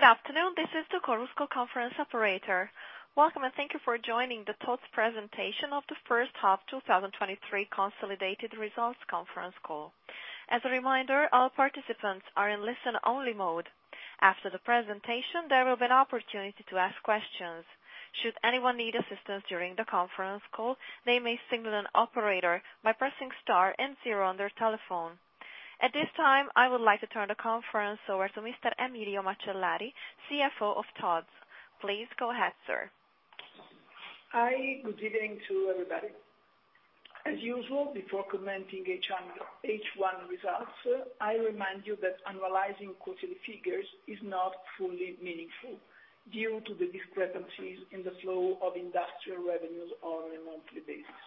Good afternoon, this is the Chorus Call conference operator. Welcome, and thank you for joining the TOD'S presentation of the first half, 2023 consolidated results conference call. As a reminder, all participants are in listen-only mode. After the presentation, there will be an opportunity to ask questions. Should anyone need assistance during the conference call, they may signal an operator by pressing star and zero on their telephone. At this time, I would like to turn the conference over to Mr. Emilio Macellari, CFO of TOD'S. Please go ahead, sir. Hi, good evening to everybody. As usual, before commenting H1 results, I remind you that analyzing quarterly figures is not fully meaningful due to the discrepancies in the flow of industrial revenues on a monthly basis.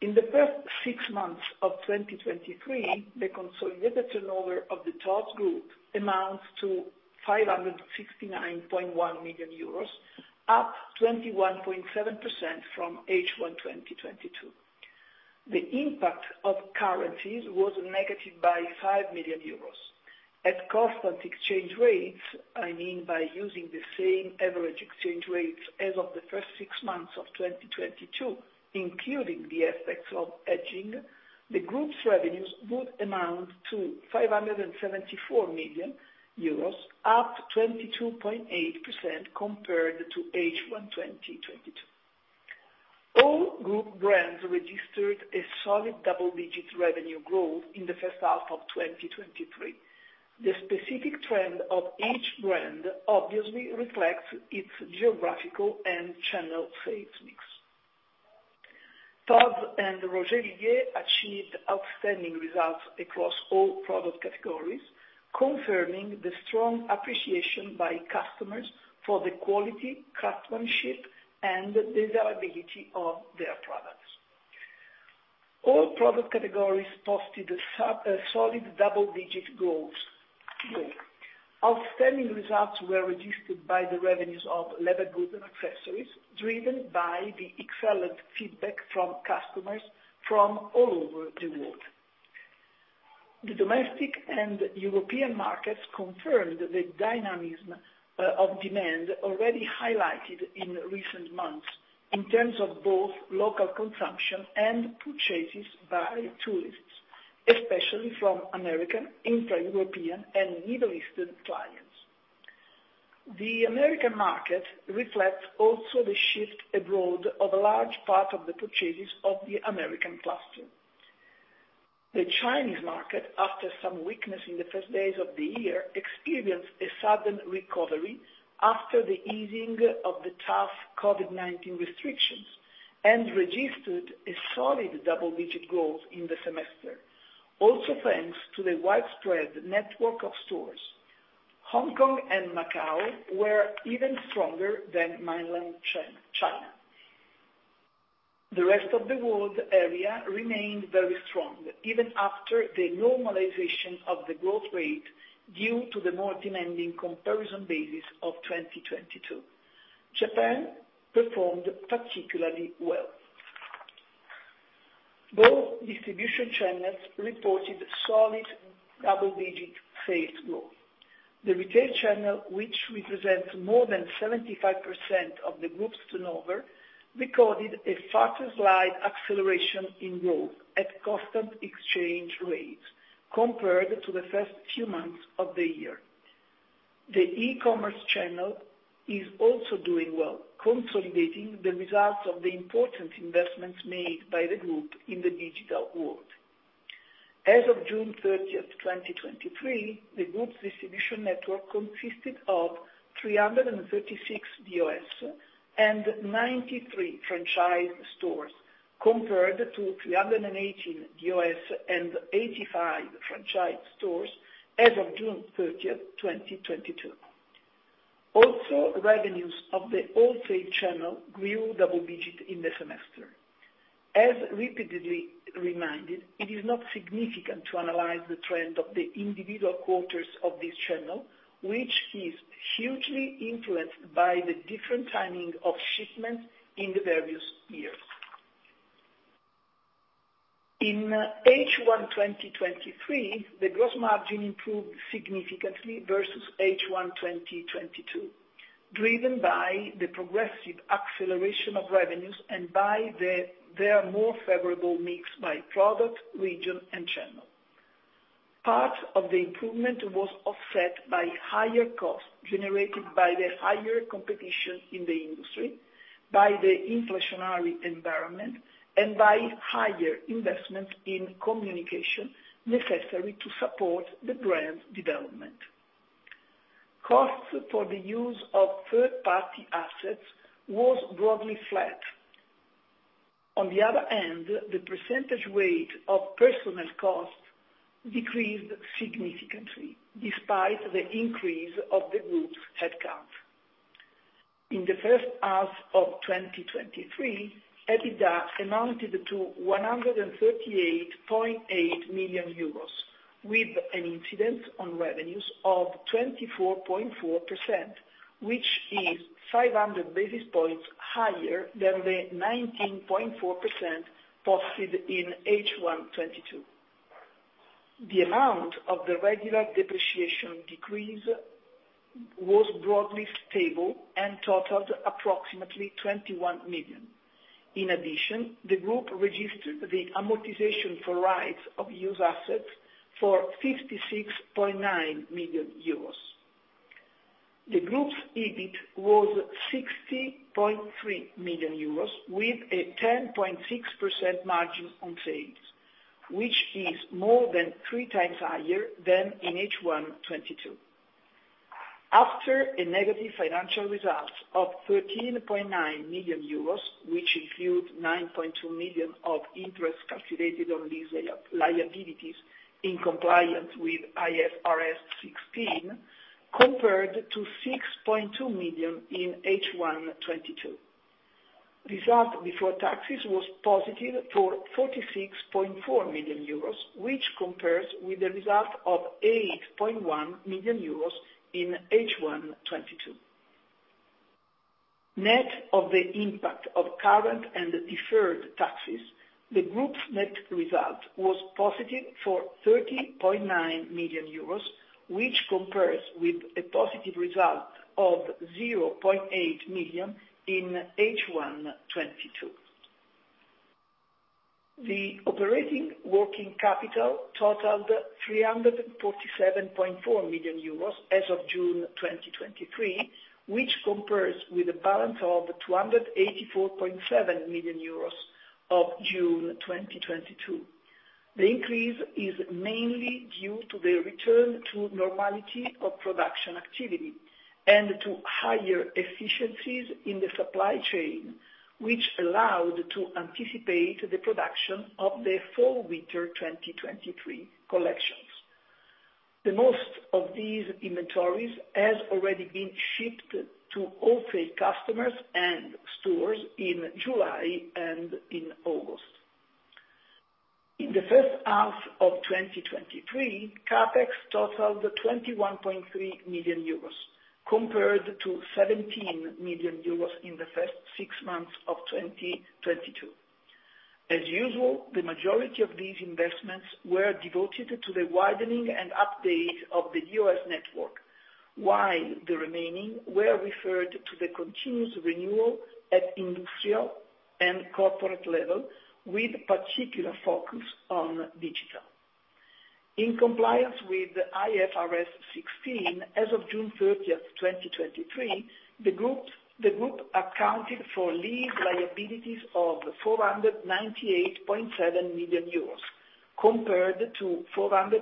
In the first six months of 2023, the consolidated turnover of the Tod's Group amounts to 569.1 million euros, up 21.7% from H1 2022. The impact of currencies was negative by 5 million euros. At constant exchange rates, I mean by using the same average exchange rates as of the first six months of 2022, including the effects of hedging, the group's revenues would amount to 574 million euros, up 22.8% compared to H1 2022. All group brands registered a solid double-digit revenue growth in the first half of 2023. The specific trend of each brand obviously reflects its geographical and channel sales mix. TOD'S and Roger Vivier achieved outstanding results across all product categories, confirming the strong appreciation by customers for the quality, craftsmanship, and desirability of their products. All product categories posted a solid double-digit growth. Outstanding results were registered by the revenues of leather goods and accessories, driven by the excellent feedback from customers from all over the world. The domestic and European markets confirmed the dynamism of demand already highlighted in recent months in terms of both local consumption and purchases by tourists, especially from American, intra-European, and Middle Eastern clients. The American market reflects also the shift abroad of a large part of the purchases of the American cluster. The Chinese market, after some weakness in the first days of the year, experienced a sudden recovery after the easing of the tough COVID-19 restrictions and registered a solid double-digit growth in the semester, also thanks to the widespread network of stores. Hong Kong and Macau were even stronger than mainland China, China. The rest of the world area remained very strong, even after the normalization of the growth rate, due to the more demanding comparison basis of 2022. Japan performed particularly well. Both distribution channels reported solid double-digit sales growth. The retail channel, which represents more than 75% of the group's turnover, recorded a faster slight acceleration in growth at constant exchange rates compared to the first few months of the year. The e-commerce channel is also doing well, consolidating the results of the important investments made by the group in the digital world. As of June 30th, 2023, the group's distribution network consisted of 336 DOS and 93 franchise stores, compared to 318 DOS and 85 franchise stores as of June 30th, 2022. Also, revenues of the wholesale channel grew double digits in the semester. As repeatedly reminded, it is not significant to analyze the trend of the individual quarters of this channel, which is hugely influenced by the different timing of shipments in the various years. In H1 2023, the gross margin improved significantly versus H1 2022, driven by the progressive acceleration of revenues and by the, their more favorable mix by product, region, and channel. Part of the improvement was offset by higher costs generated by the higher competition in the industry, by the inflationary environment, and by higher investment in communication necessary to support the brand's development. Costs for the use of third-party assets was broadly flat. On the other end, the percentage rate of personnel costs decreased significantly, despite the increase of the group's headcount. In the first half of 2023, EBITDA amounted to 138.8 million euros, with an incidence on revenues of 24.4%, which is 500 basis points higher than the 19.4% posted in H1 2022. The amount of the regular depreciation decrease was broadly stable and totaled approximately 21 million. In addition, the group registered the amortization for Rights of Use Assets for 56.9 million euros. The group's EBIT was 60.3 million euros, with a 10.6% margin on sales, which is more than three times higher than in H1 2022. After a negative financial result of 13.9 million euros, which includes 9.2 million of interest calculated on these liabilities in compliance with IFRS 16, compared to EUR 6.2 million in H1 2022. Result before taxes was positive for 46.4 million euros, which compares with the result of 8.1 million euros in H1 2022. Net of the impact of current and deferred taxes, the Group's net result was positive for 30.9 million euros, which compares with a positive result of 0.8 million in H1 2022. The operating working capital totaled 347.4 million euros as of June 2023, which compares with a balance of 284.7 million euros of June 2022. The increase is mainly due to the return to normality of production activity and to higher efficiencies in the supply chain, which allowed to anticipate the production of the fall/winter 2023 collections. The most of these inventories has already been shipped to wholesale customers and stores in July and in August. In the first half of 2023, CapEx totaled 21.3 million euros, compared to 17 million euros in the first six months of 2022. As usual, the majority of these investments were devoted to the widening and update of the U.S. network, while the remaining were referred to the continuous renewal at industrial and corporate level, with particular focus on digital. In compliance with IFRS 16, as of June 30th, 2023, the group accounted for lease liabilities of 498.7 million euros, compared to 489.4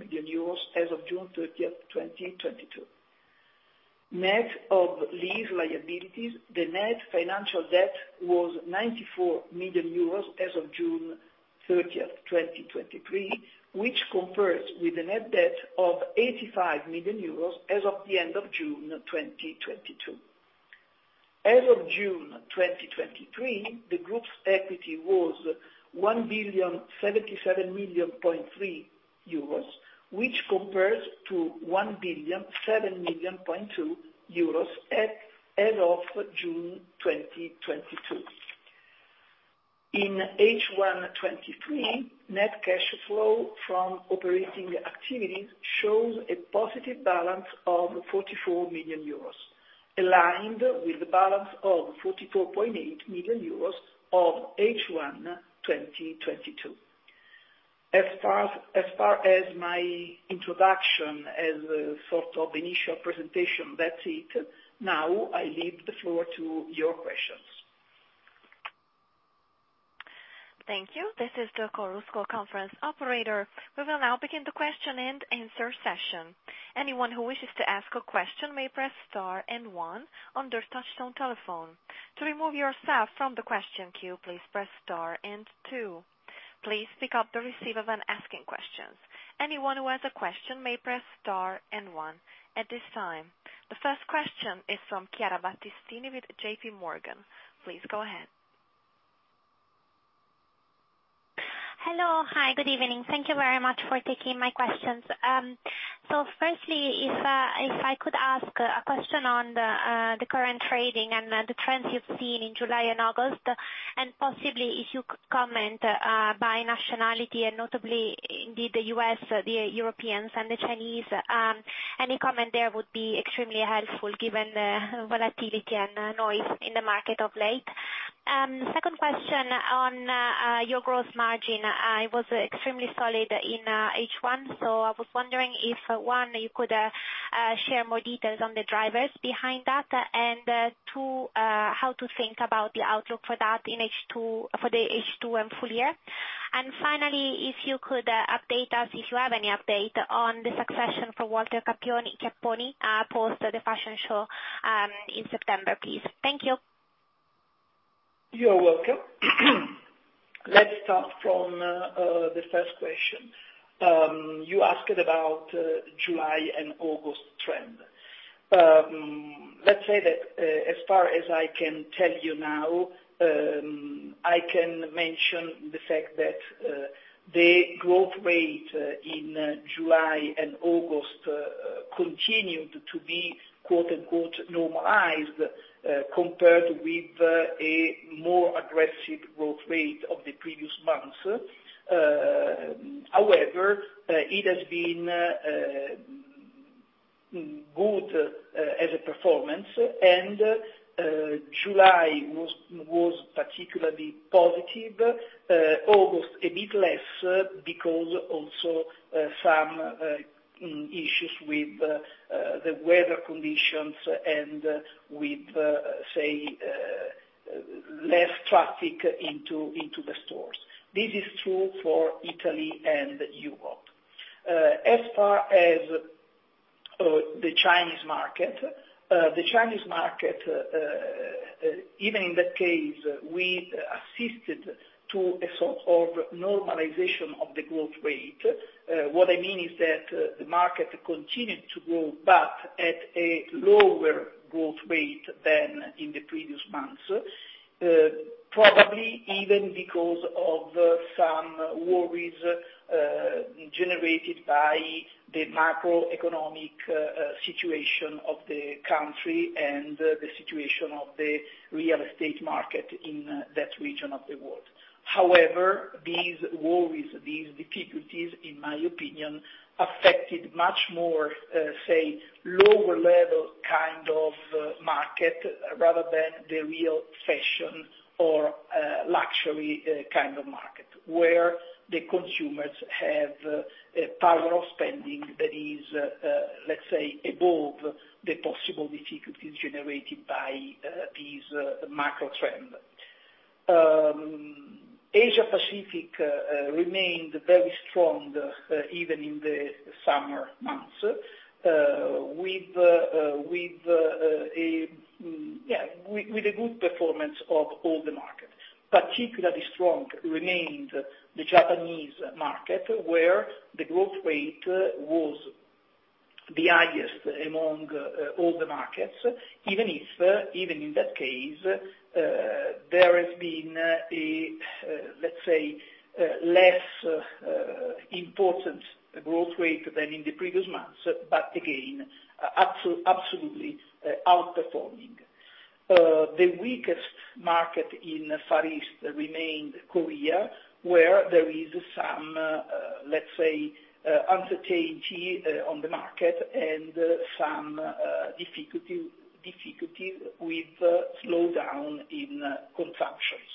million euros as of June 30th, 2022. Net of lease liabilities, the net financial debt was 94 million euros as of June 30th, 2023, which compares with a net debt of 85 million euros as of the end of June, 2022. As of June 2023, the group's equity was 1,077.3 million, which compares to 1,007.2 million at, as of June 2022. In H1 2023, net cash flow from operating activities shows a positive balance of 44 million euros, aligned with the balance of 44.8 million euros of H1 2022. As far as my introduction as a sort of initial presentation, that's it. Now I leave the floor to your questions. Thank you. This is the Chorus Call Conference operator. We will now begin the question and answer session. Anyone who wishes to ask a question may press star and one on their touchtone telephone. To remove yourself from the question queue, please press star and two. Please pick up the receiver when asking questions. Anyone who has a question may press star and one at this time. The first question is from Chiara Battistini with JPMorgan. Please go ahead. Hello. Hi, good evening. Thank you very much for taking my questions. So firstly, if I could ask a question on the current trading and the trends you've seen in July and August, and possibly if you could comment by nationality and notably indeed, the U.S., the Europeans and the Chinese. Second question on your gross margin. It was extremely solid in H1, so I was wondering if, one, you could share more details on the drivers behind that, and two, how to think about the outlook for that in H2 for the H2 and full year? And finally, if you could update us, if you have any update, on the succession for Walter Chiapponi post the fashion show in September, please? Thank you. You're welcome. Let's start from the first question. You asked about July and August trend. Let's say that, as far as I can tell you now, I can mention the fact that the growth rate in July and August continued to be, quote, unquote, normalized compared with a more aggressive growth rate of the previous months. However, it has been good as a performance, and July was particularly positive. August, a bit less, because also some issues with the weather conditions and with, say, less traffic into the stores. This is true for Italy and Europe. As far as the Chinese market, the Chinese market, even in that case, we assisted to a sort of normalization of the growth rate. What I mean is that the market continued to grow, but at a lower growth rate than in the previous months. Probably even because of some worries generated by the macroeconomic situation of the country and the situation of the real estate market in that region of the world. However, these worries, these difficulties, in my opinion, affected much more say lower level kind of market, rather than the real fashion or luxury kind of market, where the consumers have a power of spending that is let's say above the possible difficulties generated by these macro trend. Asia Pacific remained very strong even in the summer months with a good performance of all the market. Particularly strong remained the Japanese market, where the growth rate was the highest among all the markets, even if, even in that case, there has been a, let's say, less important growth rate than in the previous months, but again, absolutely outperforming. The weakest market in Far East remained Korea, where there is some, let's say, uncertainty on the market and some difficulties with slowdown in consumptions.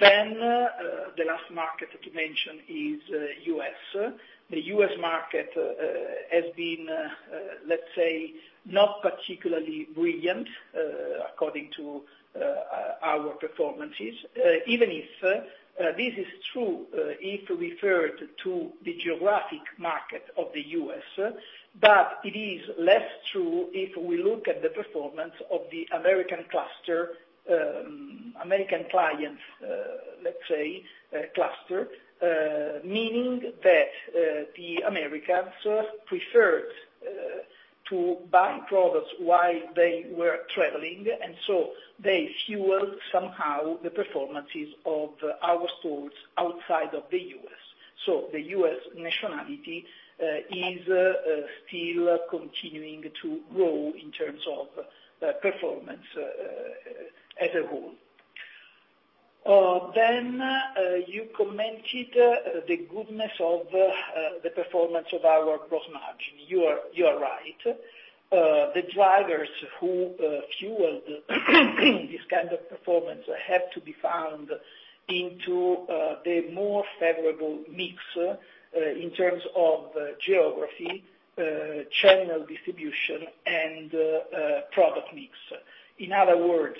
Then, the last market to mention is U.S. The U.S. market has been, let's say, not particularly brilliant according to our performances. Even if this is true if referred to the geographic market of the U.S., but it is less true if we look at the performance of the American cluster, American clients, let's say, cluster, meaning that the Americans preferred to buy products while they were traveling, and so they fueled somehow the performances of our stores outside of the U.S. So the U.S. nationality is still continuing to grow in terms of performance as a whole. Then you commented the goodness of the performance of our gross margin. You are, you are right. The drivers who fueled this kind of performance have to be found into the more favorable mix in terms of geography, channel distribution, and product mix. In other words,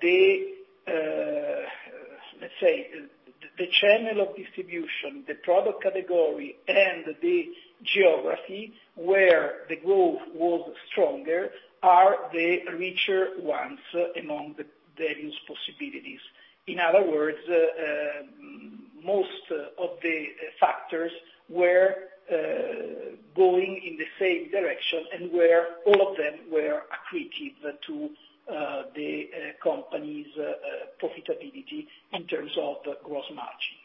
the, let's say the channel of distribution, the product category, and the geography where the growth was stronger, are the richer ones among the various possibilities. In other words, most of the factors were, going in the same direction, and where all of them were accretive to, the company's, profitability in terms of gross margin.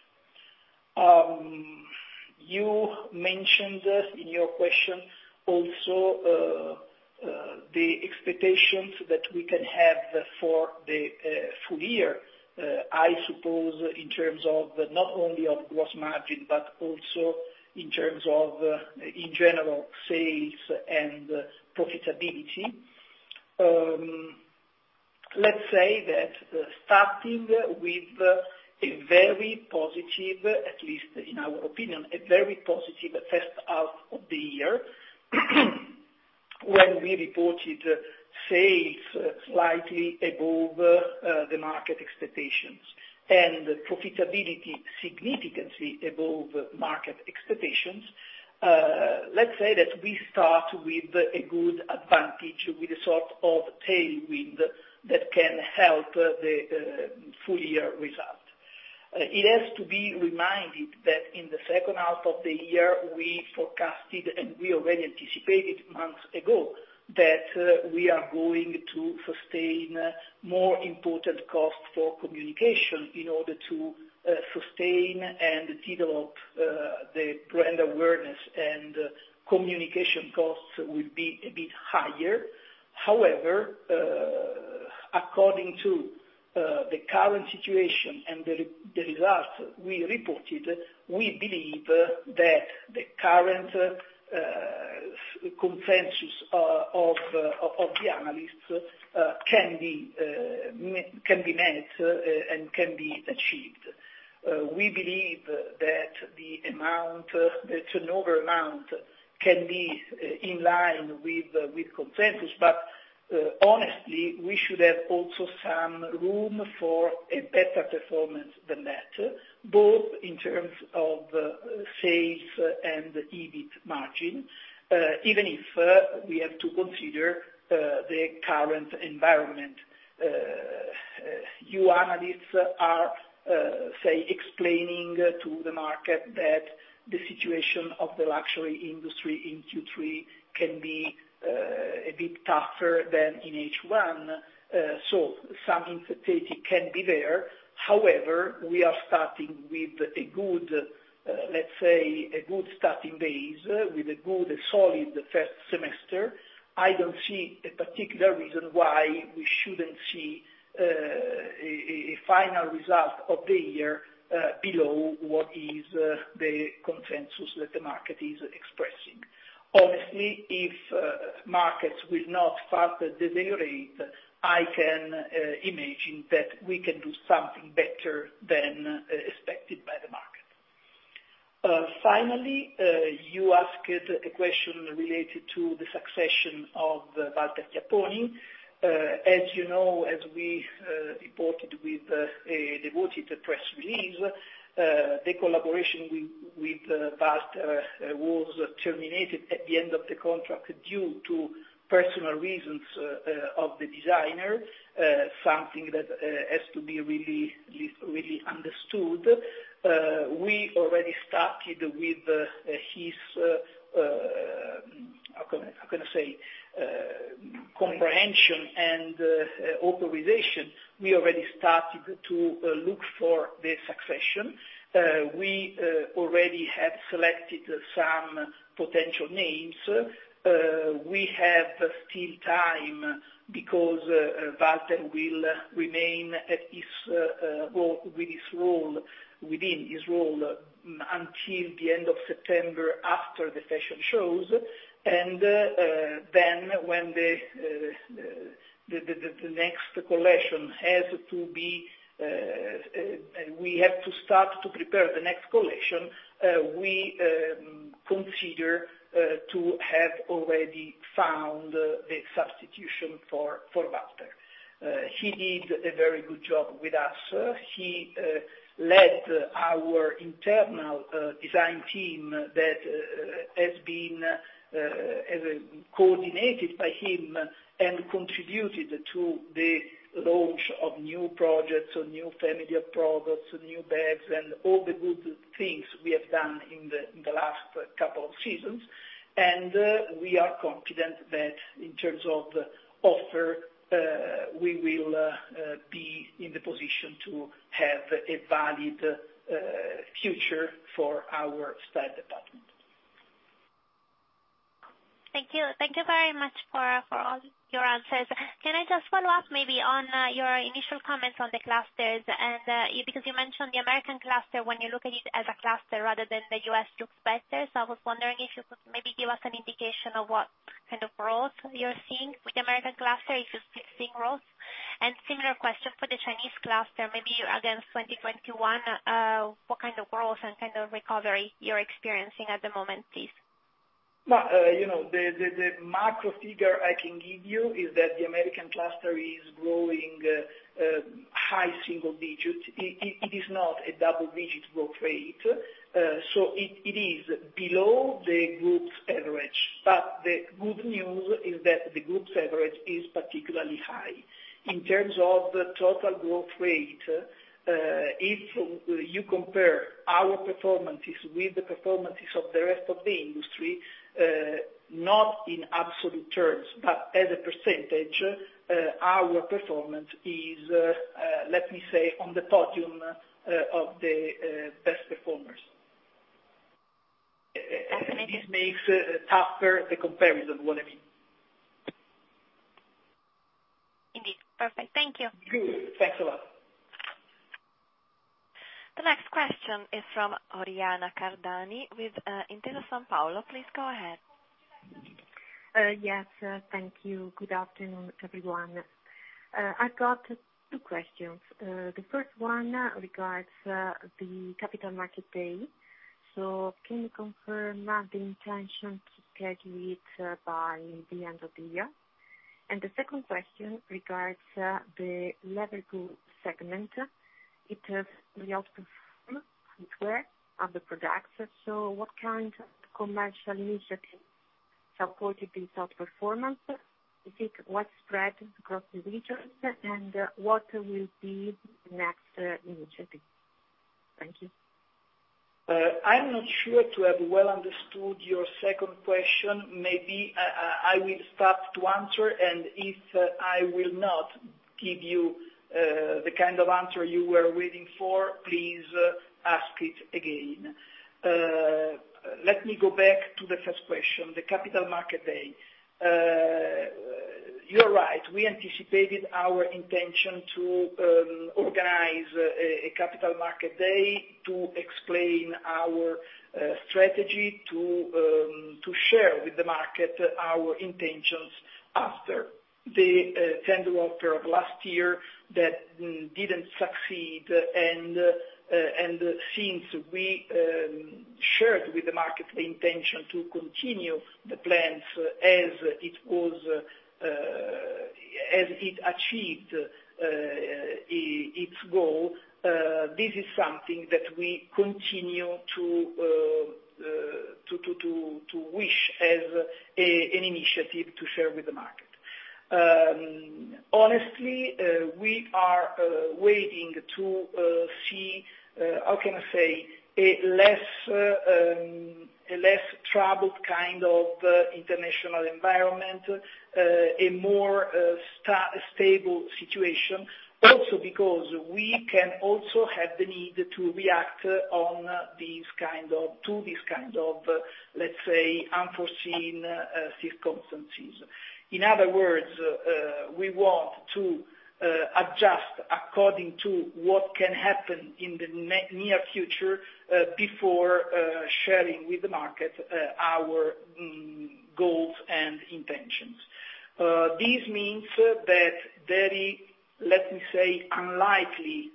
You mentioned in your question also, the expectations that we can have for the, full year, I suppose in terms of not only of gross margin, but also in terms of, in general, sales and profitability. Let's say that, starting with a very positive, at least in our opinion, a very positive first half of the year, when we reported sales slightly above the market expectations, and profitability significantly above market expectations, let's say that we start with a good advantage, with a sort of tailwind that can help the full year result. It has to be reminded that in the second half of the year, we forecasted, and we already anticipated months ago, that we are going to sustain more important cost for communication in order to sustain and develop the brand awareness and communication costs will be a bit higher. However, According to the current situation and the results we reported, we believe that the current consensus of the analysts can be met and can be achieved. We believe that the amount, the turnover amount can be in line with consensus, but honestly, we should have also some room for a better performance than that, both in terms of the sales and EBIT margin, even if we have to consider the current environment. You analysts are explaining to the market that the situation of the luxury industry in Q3 can be a bit tougher than in H1, so some uncertainty can be there. However, we are starting with a good, let's say, a good starting base, with a good solid first semester. I don't see a particular reason why we shouldn't see a final result of the year below what is the consensus that the market is expressing. Honestly, if markets will not further deteriorate, I can imagine that we can do something better than expected by the market. Finally, you asked a question related to the succession of Walter Chiapponi. As you know, as we reported with a devoted press release, the collaboration with Walter was terminated at the end of the contract due to personal reasons of the designer, something that has to be really, really understood. We already started with his how can I, how can I say, comprehension and authorization. We already started to look for the succession. We already have selected some potential names. We have still time because Walter will remain at his, well, with his role, within his role until the end of September, after the fashion shows. Then when the next collection has to be... We have to start to prepare the next collection, we consider to have already found the substitution for Walter. He did a very good job with us. He led our internal design team that has been coordinated by him and contributed to the launch of new projects or new family of products, new bags and all the good things we have done in the last couple of seasons. We are confident that in terms of the offer, we will be in the position to have a valid future for our style department. Thank you. Thank you very much for all your answers. Can I just follow up maybe on your initial comments on the clusters? And, because you mentioned the American cluster, when you look at it as a cluster rather than the U.S. juices. I was wondering if you could maybe give us an indication of what kind of growth you're seeing with the American cluster, if you're still seeing growth. And similar question for the Chinese cluster, maybe against 2021, what kind of growth and kind of recovery you're experiencing at the moment, please? Well, you know, the macro figure I can give you is that the American cluster is growing high single digits. It is not a double-digit growth rate, so it is below the group's average. But the good news is that the group's average is particularly high. In terms of the total growth rate, if you compare our performances with the performances of the rest of the industry, not in absolute terms, but as a percentage, our performance is, let me say, on the podium of the best performers. Absolutely. This makes tougher the comparison, you know what I mean? Indeed. Perfect. Thank you. Good. Thanks a lot. The next question is from Oriana Cardani with Intesa Sanpaolo. Please go ahead. Yes, thank you. Good afternoon, everyone. I've got two questions. The first one regards the Capital Market Day. So can you confirm the intention to schedule it by the end of the year? And the second question regards the leather goods segment. It has outperformed the footwear and the products. So what kind of commercial initiatives supported this outperformance? Do you think it was spread across the regions, and what will be the next initiative? Thank you. I'm not sure to have well understood your second question. Maybe I will start to answer, and if I will not give you the kind of answer you were waiting for, please ask it again. Let me go back to the first question, the Capital Market Day. You're right, we anticipated our intention to organize a Capital Market Day to explain our strategy to share with the market our intentions after the tender offer of last year that didn't succeed. And since we shared with the market the intention to continue the plans as it was, as it achieved its goal, this is something that we continue to wish as an initiative to share with the market. Honestly, we are waiting to see, how can I say, a less troubled kind of international environment, a more stable situation. Also, because we can also have the need to react to these kind of, let's say, unforeseen circumstances. In other words, we want to adjust according to what can happen in the near future before sharing with the market our goals and intentions. This means that very, let me say, unlikely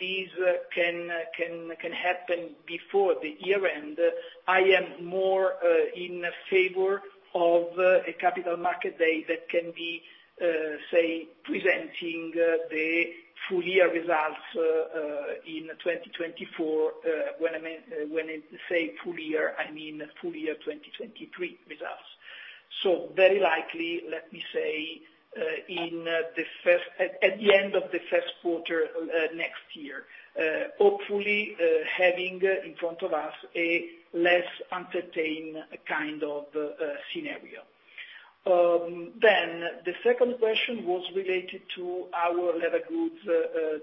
this can happen before the year end. I am more in favor of a Capital Market Day that can be, say, presenting the full year results in 2024. When I say full year, I mean full year 2023 results. So very likely, let me say, at the end of the first quarter next year, hopefully having in front of us a less entertaining kind of scenario. Then the second question was related to our leather goods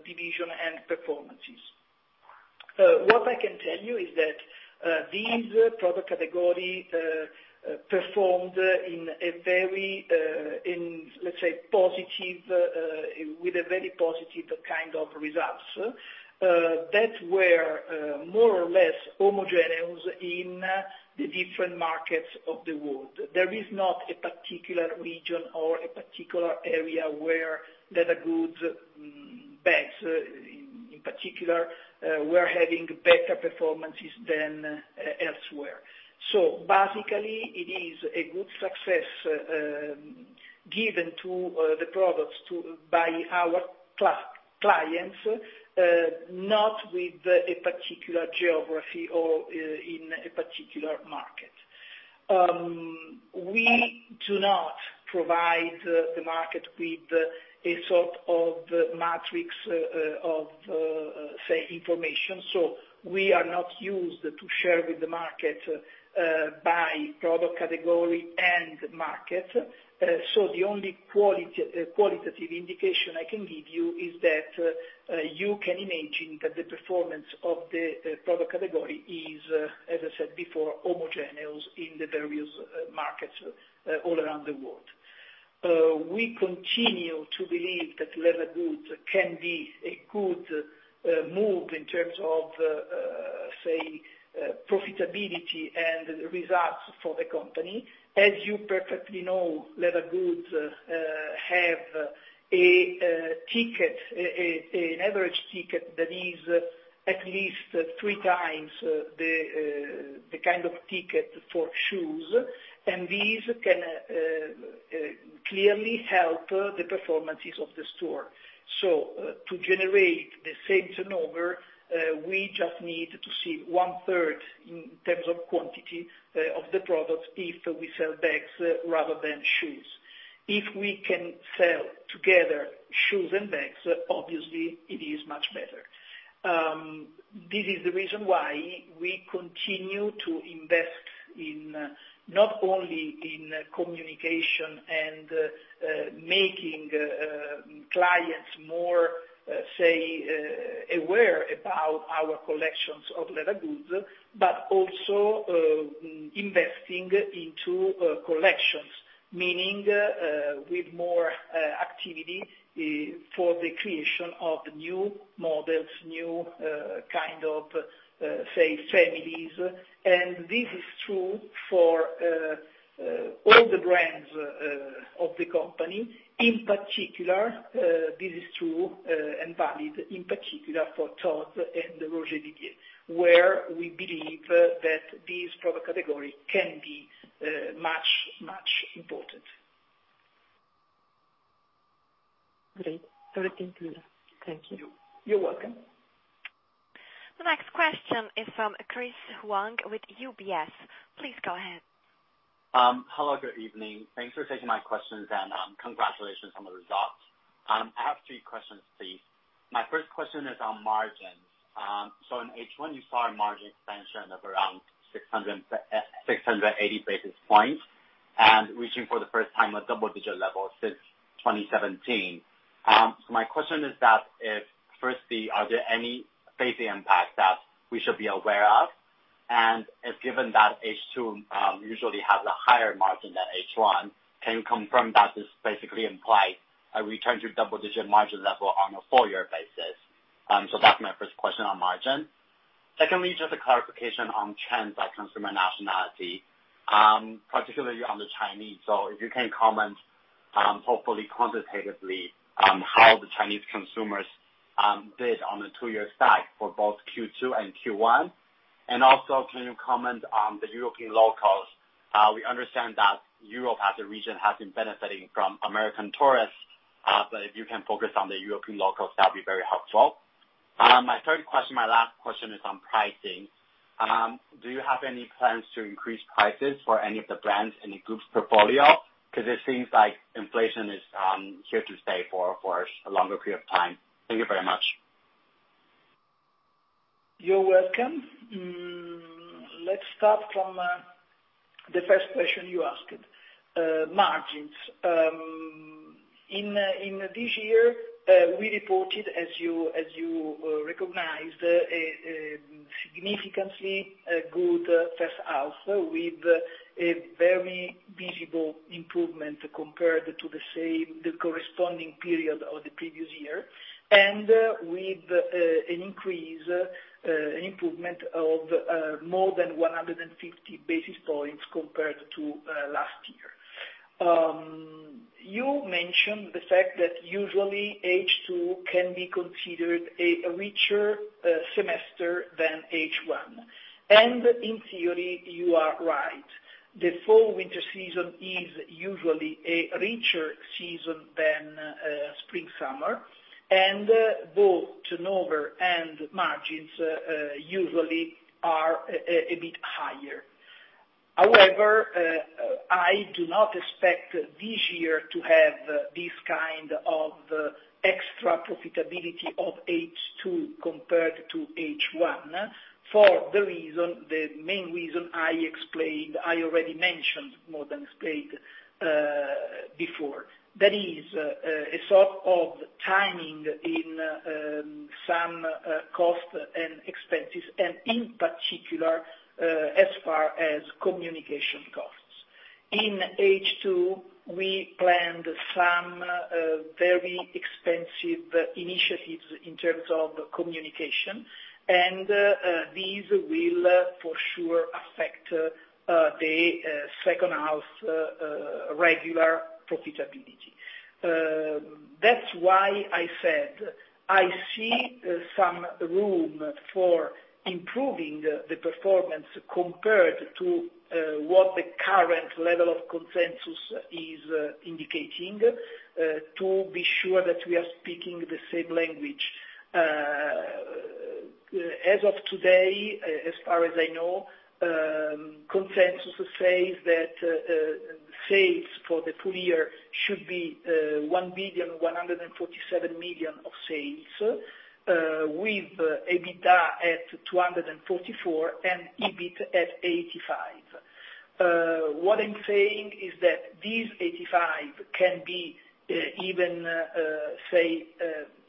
division and performances. What I can tell you is that this product category performed in a very, in, let's say, positive, with a very positive kind of results that were more or less homogeneous in the different markets of the world. There is not a particular region or a particular area where leather goods, bags in particular, were having better performances than elsewhere. So basically, it is a good success given to the products to... by our clients, not with a particular geography or, in a particular market. We do not provide the market with a sort of matrix, of, say, information, so we are not used to share with the market, by product category and market. So the only qualitative indication I can give you is that, you can imagine that the performance of the, product category is, as I said before, homogeneous in the various, markets, all around the world. We continue to believe that leather goods can be a good, move in terms of, say, profitability and results for the company. As you perfectly know, leather goods have an average ticket that is at least three times the kind of ticket for shoes, and these can clearly help the performances of the store. So, to generate the same turnover, we just need to see 1/3 in terms of quantity of the products if we sell bags rather than shoes. If we can sell together shoes and bags, obviously it is much better. This is the reason why we continue to invest in, not only in communication and making clients more, say, aware about our collections of leather goods, but also investing into collections. Meaning, with more activity for the creation of new models, new kind of, say, families. This is true for all the brands of the company. In particular, this is true and valid, in particular for Tod's and Roger Vivier, where we believe that this product category can be much, much important. Great. Thank you. You're welcome. The next question is from Chris Huang with UBS. Please go ahead. Hello, good evening. Thanks for taking my questions, and congratulations on the results. I have three questions, please. My first question is on margins. So in H1, you saw a margin expansion of around 680 basis points... and reaching for the first time a double digit level since 2017. So my question is that if firstly, are there any basic impact that we should be aware of? And if given that H2 usually has a higher margin than H1, can you confirm that this basically imply a return to double digit margin level on a full year basis? So that's my first question on margin. Secondly, just a clarification on trends by consumer nationality, particularly on the Chinese. So if you can comment, hopefully quantitatively, how the Chinese consumers did on a two-year stack for both Q2 and Q1. And also, can you comment on the European locals? We understand that Europe as a region has been benefiting from American tourists, but if you can focus on the European locals, that'd be very helpful. My third question, my last question is on pricing. Do you have any plans to increase prices for any of the brands in the group's portfolio? Because it seems like inflation is here to stay for a longer period of time. Thank you very much. You're welcome. Let's start from the first question you asked, margins. In this year, we reported, as you, as you recognized, significantly good first half with a very visible improvement compared to the same, the corresponding period of the previous year, and with an increase, an improvement of more than 150 basis points compared to last year. You mentioned the fact that usually H2 can be considered a richer semester than H1, and in theory, you are right. The fall/winter season is usually a richer season than spring/summer, and both turnover and margins usually are a bit higher. However, I do not expect this year to have this kind of extra profitability of H2 compared to H1, for the reason, the main reason I explained, I already mentioned, before. That is, a sort of timing in some cost and expenses, and in particular, as far as communication costs. In H2, we planned some very expensive initiatives in terms of communication, and these will for sure affect the second half regular profitability. That's why I said I see some room for improving the performance compared to what the current level of consensus is indicating, to be sure that we are speaking the same language. As of today, as far as I know, consensus says that sales for the full year should be 1,147 million of sales, with EBITDA at 244 million and EBIT at 85 million. What I'm saying is that this 85 can be even say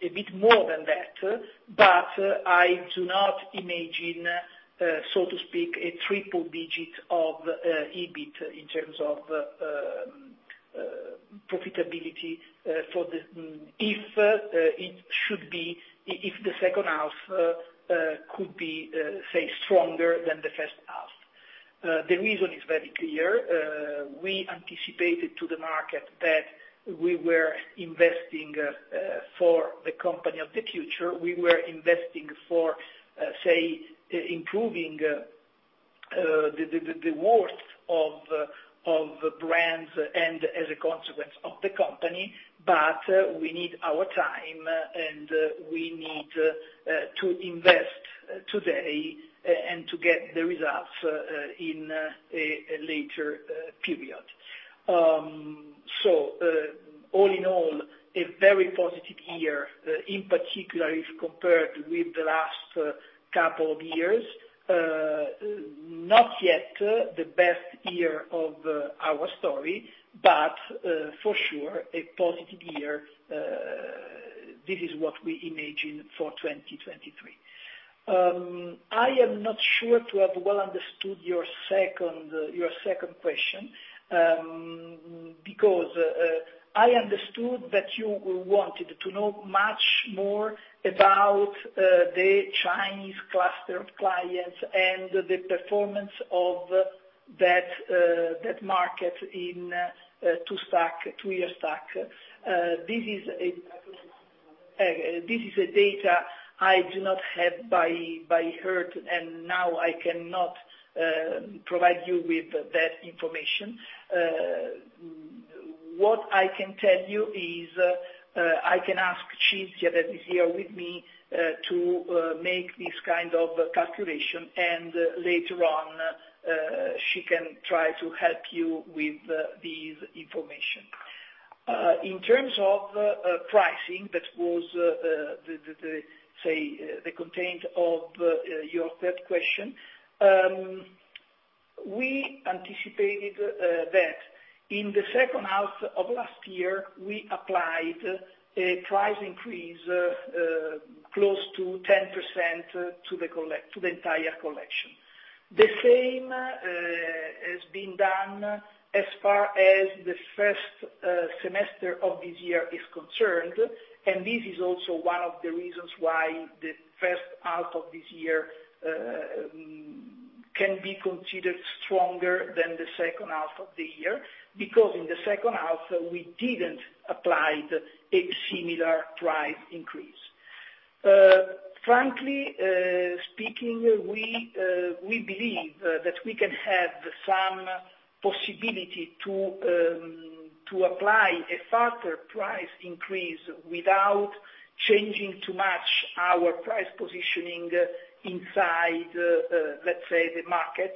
a bit more than that, but I do not imagine so to speak a triple digit of profitability for the... If it should be, if the second half could be say stronger than the first half. The reason is very clear. We anticipated to the market that we were investing for the company of the future. We were investing for, say, improving the worth of brands and as a consequence of the company, but we need our time, and we need to invest today and to get the results in a later period. So, all in all, a very positive year, in particular, if compared with the last couple of years. Not yet the best year of our story, but, for sure, a positive year. This is what we imagine for 2023. I am not sure to have well understood your second question, because I understood that you wanted to know much more about the Chinese cluster of clients and the performance of that market in a two-year stack. This is a data I do not have by heart, and now I cannot provide you with that information. What I can tell you is, I can ask Cinzia, that is here with me, to make this kind of calculation, and later on, she can try to help you with this information. In terms of pricing, that was, say, the content of your third question. We anticipated that in the second half of last year, we applied a price increase close to 10% to the entire collection. The same has been done as far as the first semester of this year is concerned, and this is also one of the reasons why the first half of this year can be considered stronger than the second half of the year. Because in the second half, we didn't apply a similar price increase. Frankly speaking, we believe that we can have some possibility to apply a faster price increase without changing too much our price positioning inside, let's say, the market,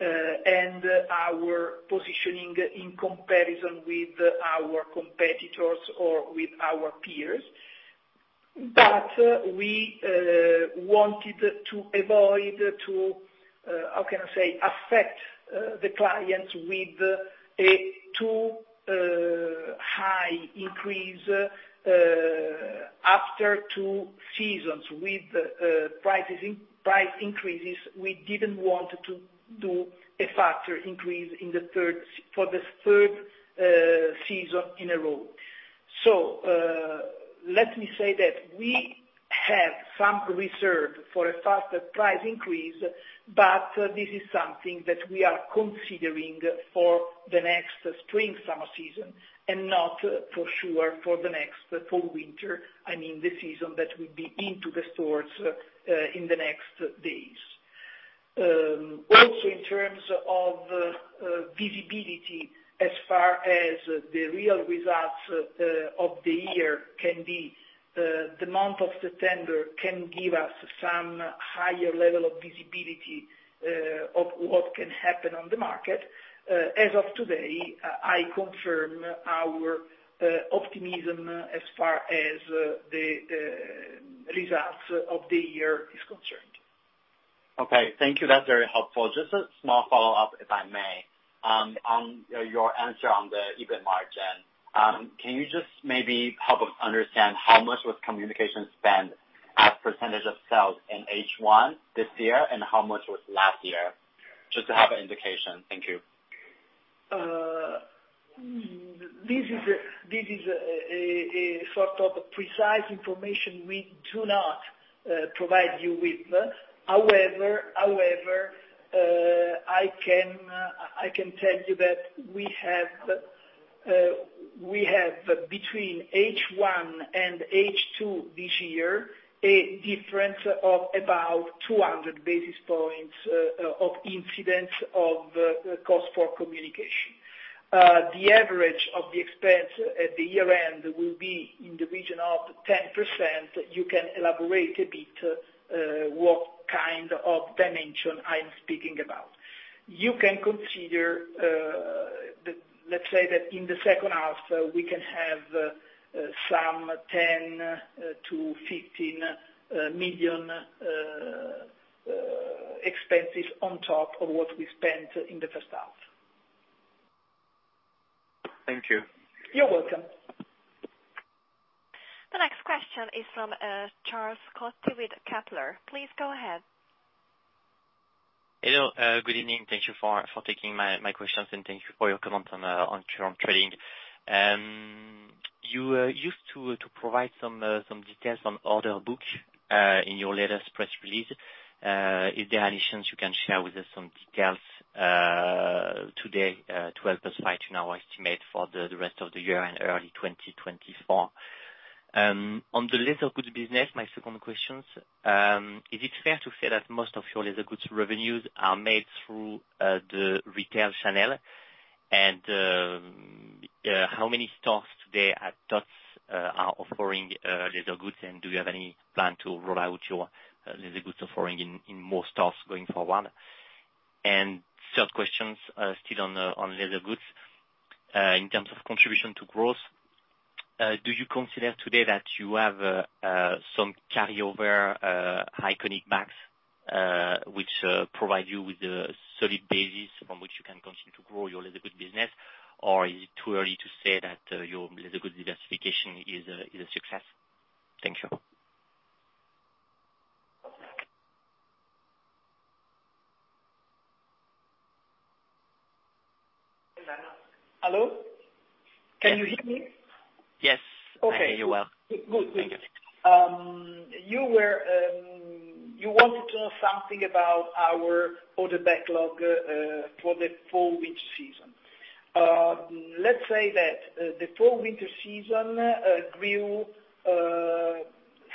and our positioning in comparison with our competitors or with our peers. But we wanted to avoid to, how can I say, affect the clients with a too high increase after two seasons with price increases, we didn't want to do a faster increase for the third season in a row. So, let me say that we have some reserve for a faster price increase, but this is something that we are considering for the next spring/summer season, and not for sure for the next fall/winter, I mean, the season that will be into the stores in the next days. Also, in terms of visibility, as far as the real results of the year can be, the month of September can give us some higher level of visibility of what can happen on the market. As of today, I confirm our optimism as far as the results of the year is concerned. Okay, thank you. That's very helpful. Just a small follow-up, if I may. On your answer on the EBIT margin, can you just maybe help us understand how much was communication spend as percentage of sales in H1 this year, and how much was last year? Just to have an indication. Thank you. This is a sort of precise information we do not provide you with. However, I can tell you that we have between H1 and H2 this year, a difference of about 200 basis points of incidence of cost for communication. The average of the expense at the year-end will be in the region of 10%. You can elaborate a bit what kind of dimension I'm speaking about. You can consider the... Let's say that in the second half, we can have some 10 million-15 million expenses on top of what we spent in the first half. Thank you. You're welcome. The next question is from, Charles-Louis Scotti with Kepler. Please go ahead. Hello, good evening. Thank you for taking my questions, and thank you for your comments on current trading. You used to provide some details on order book in your latest press release. Is there any chance you can share with us some details today to help us fine-tune our estimate for the rest of the year and early 2024? On the leather goods business, my second questions, is it fair to say that most of your leather goods revenues are made through the retail channel? And, how many stores today at Tod's are offering leather goods, and do you have any plan to roll out your leather goods offering in more stores going forward? And third questions, still on the leather goods. In terms of contribution to growth, do you consider today that you have some carryover iconic bags which provide you with a solid basis from which you can continue to grow your leather goods business? Or is it too early to say that your leather goods diversification is a success? Thank you. Hello? Can you hear me? Yes. Okay. I hear you well. Good. Good. Thank you. You were, you wanted to know something about our order backlog for the fall/winter season. Let's say that the fall/winter season grew,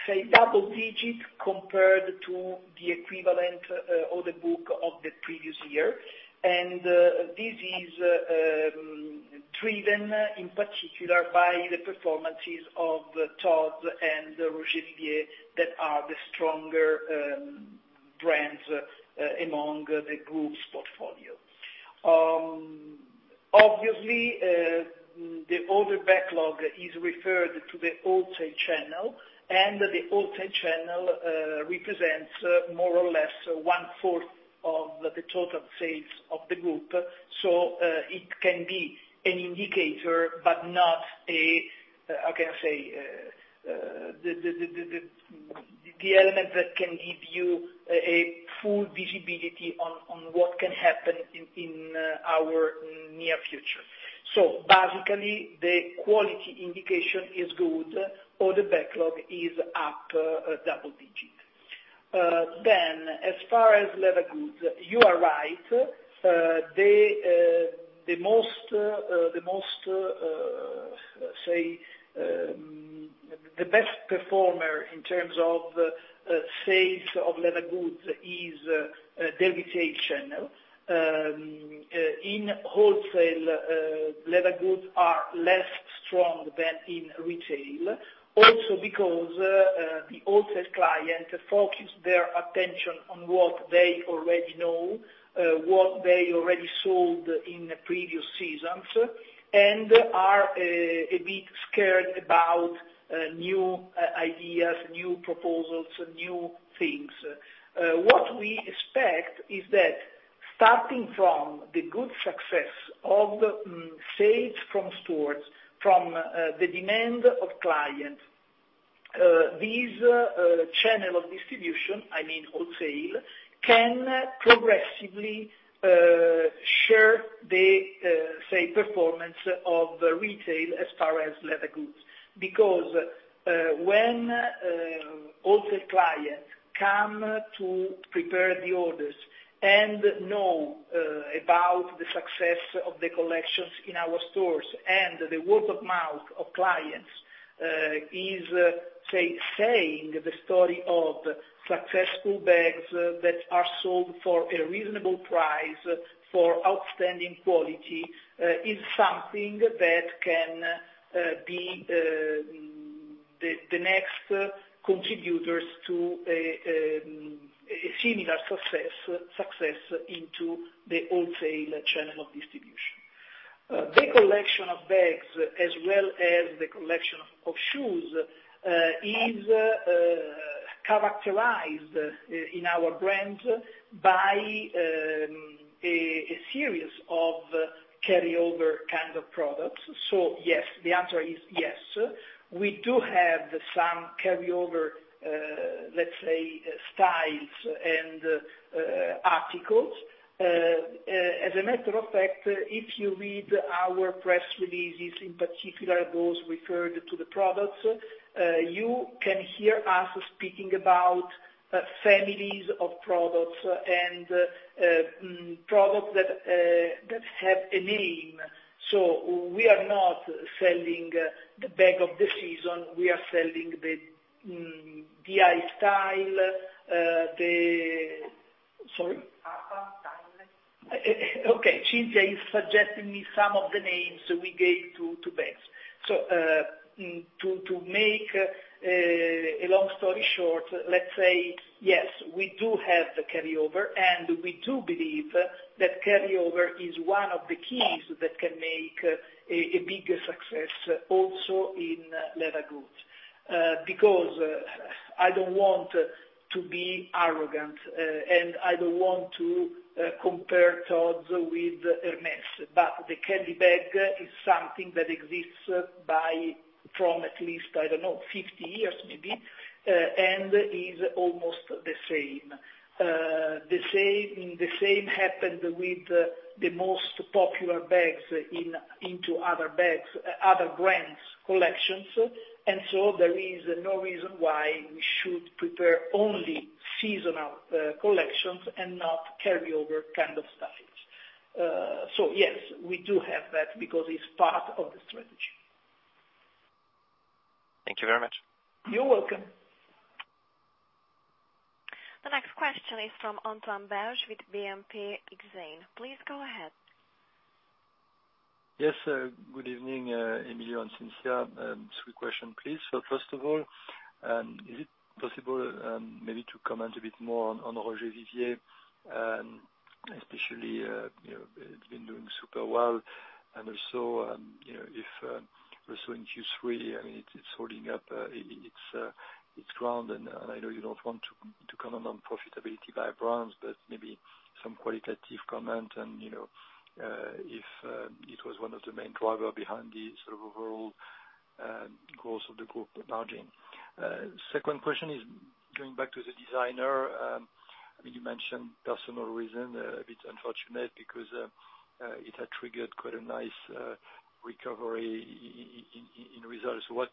say double-digit compared to the equivalent order book of the previous year. And this is driven in particular by the performances of Tod's and the Roger Vivier, that are the stronger brands among the group's portfolio. Obviously, the order backlog is referred to the wholesale channel, and the wholesale channel represents more or less 1/4 of the total sales of the group. So, it can be an indicator, but not a, how can I say? The element that can give you a full visibility on what can happen in our near future. So basically, the quality indication is good, order backlog is up double digit. Then, as far as leather goods, you are right. The most, the most, say, the best performer in terms of sales of leather goods is [the vintage channel]. In wholesale, leather goods are less strong than in retail. Also, because the wholesale client focus their attention on what they already know, what they already sold in the previous seasons, and are a bit scared about new ideas, new proposals, new things. What we expect is that starting from the good success of sales from stores, from the demand of clients, these channel of distribution, I mean, wholesale, can progressively share the, say, performance of retail as far as leather goods. Because, when wholesale client come to prepare the orders and know about the success of the collections in our stores, and the word of mouth of clients is saying the story of successful bags that are sold for a reasonable price, for outstanding quality, is something that can be the next contributors to a similar success into the wholesale channel of distribution. The collection of bags, as well as the collection of shoes, is characterized in our brand by a series of carryover kind of products. So yes, the answer is yes. We do have some carryover, let's say, styles and articles. As a matter of fact, if you read our press releases, in particular, those referred to the products, you can hear us speaking about families of products and products that have a name. So we are not selling the bag of the season, we are selling the lifestyle, the... Sorry? Style. Okay, Cinzia is suggesting me some of the names we gave to bags. So, to make a long story short, let's say, yes, we do have the carryover, and we do believe that carryover is one of the keys that can make a bigger success also in leather goods. Because I don't want to be arrogant, and I don't want to compare Tod's with Hermès, but the Kelly bag is something that exists from at least, I don't know, 50 years maybe, and is almost the same. The same, and the same happened with the most popular bags in other brands' collections, and so there is no reason why we should prepare only seasonal collections and not carryover kind of styles. So yes, we do have that because it's part of the strategy. Thank you very much. You're welcome. The next question is from Antoine Belge with BNP Paribas Exane. Please go ahead. Yes, good evening, Emilio and Cinzia. Three questions, please. So first of all, is it possible, maybe to comment a bit more on, on Roger Vivier? Especially, you know, it's been doing super well, and also, you know, if, also in Q3, I mean, it's, it's holding up, its, its ground, and, and I know you don't want to, to comment on profitability by brands, but maybe some qualitative comment and, you know, if, it was one of the main driver behind the sort of overall, growth of the group margin. Second question is going back to the designer. I mean, you mentioned personal reason, a bit unfortunate because, it had triggered quite a nice, recovery in results. What,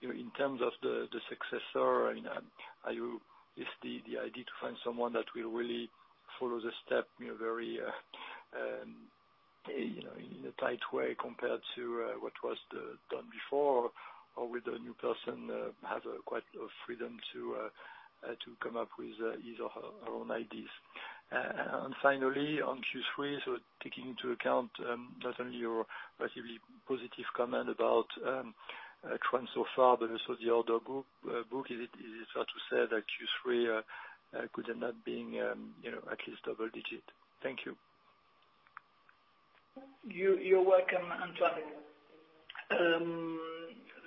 you know, in terms of the successor, I mean, are you... Is the idea to find someone that will really follow the step, you know, very, you know, in a tight way compared to what was done before, or with the new person has a quite of freedom to to come up with his or her own ideas? And finally, on Q3, so taking into account not only your relatively positive comment about trend so far, but also the order book book, is it fair to say that Q3 could end up being, you know, at least double digit? Thank you. You're welcome, Antoine.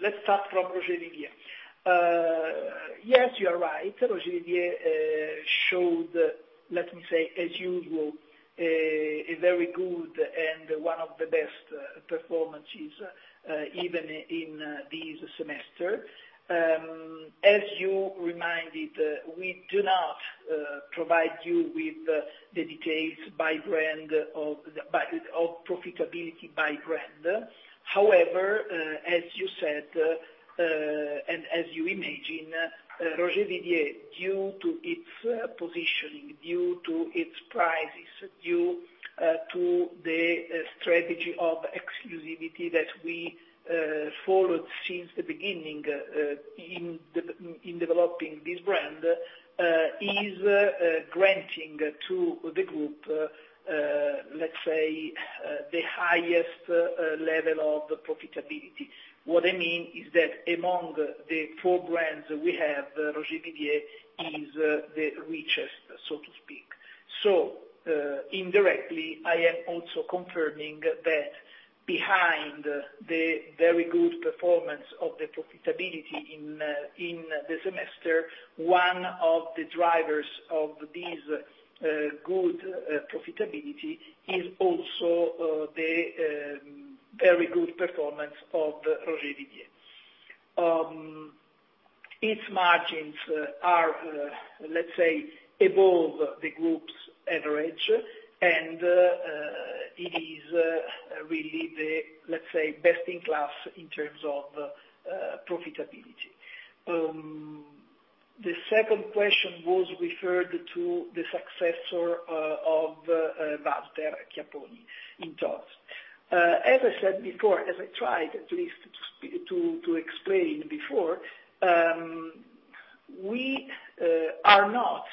Let's start from Roger Vivier. Yes, you are right. Roger Vivier showed, let me say, as usual, a very good and one of the best performances even in this semester. As you reminded, we do not provide you with the details by brand of the profitability by brand. However, as you said and as you imagine, Roger Vivier, due to its positioning, due to its prices, due to the strategy of exclusivity that we followed since the beginning in developing this brand, is granting to the group, let's say, the highest level of profitability. What I mean is that among the four brands we have, Roger Vivier is the richest, so to speak. Indirectly, I am also confirming that behind the very good performance of the profitability in the semester, one of the drivers of this good profitability is also the very good performance of Roger Vivier. Its margins are, let's say, above the group's average, and it is really the, let's say, best in class in terms of profitability. The second question was referred to the successor of Walter Chiapponi in Tod's. As I said before, as I tried at least to explain before, we are not,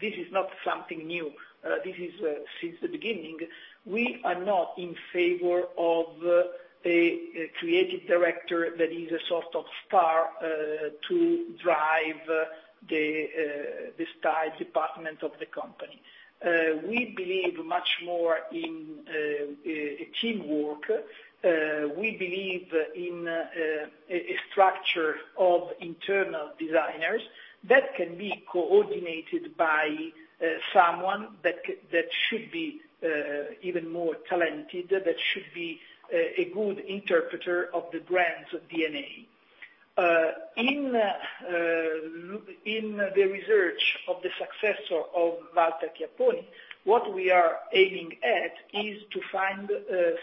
this is not something new, this is, since the beginning, we are not in favor of a creative director that is a sort of star to drive the style department of the company. We believe much more in a teamwork. We believe in a structure of internal designers that can be coordinated by someone that should be even more talented, that should be a good interpreter of the brand's DNA. In the research of the successor of Walter Chiapponi, what we are aiming at is to find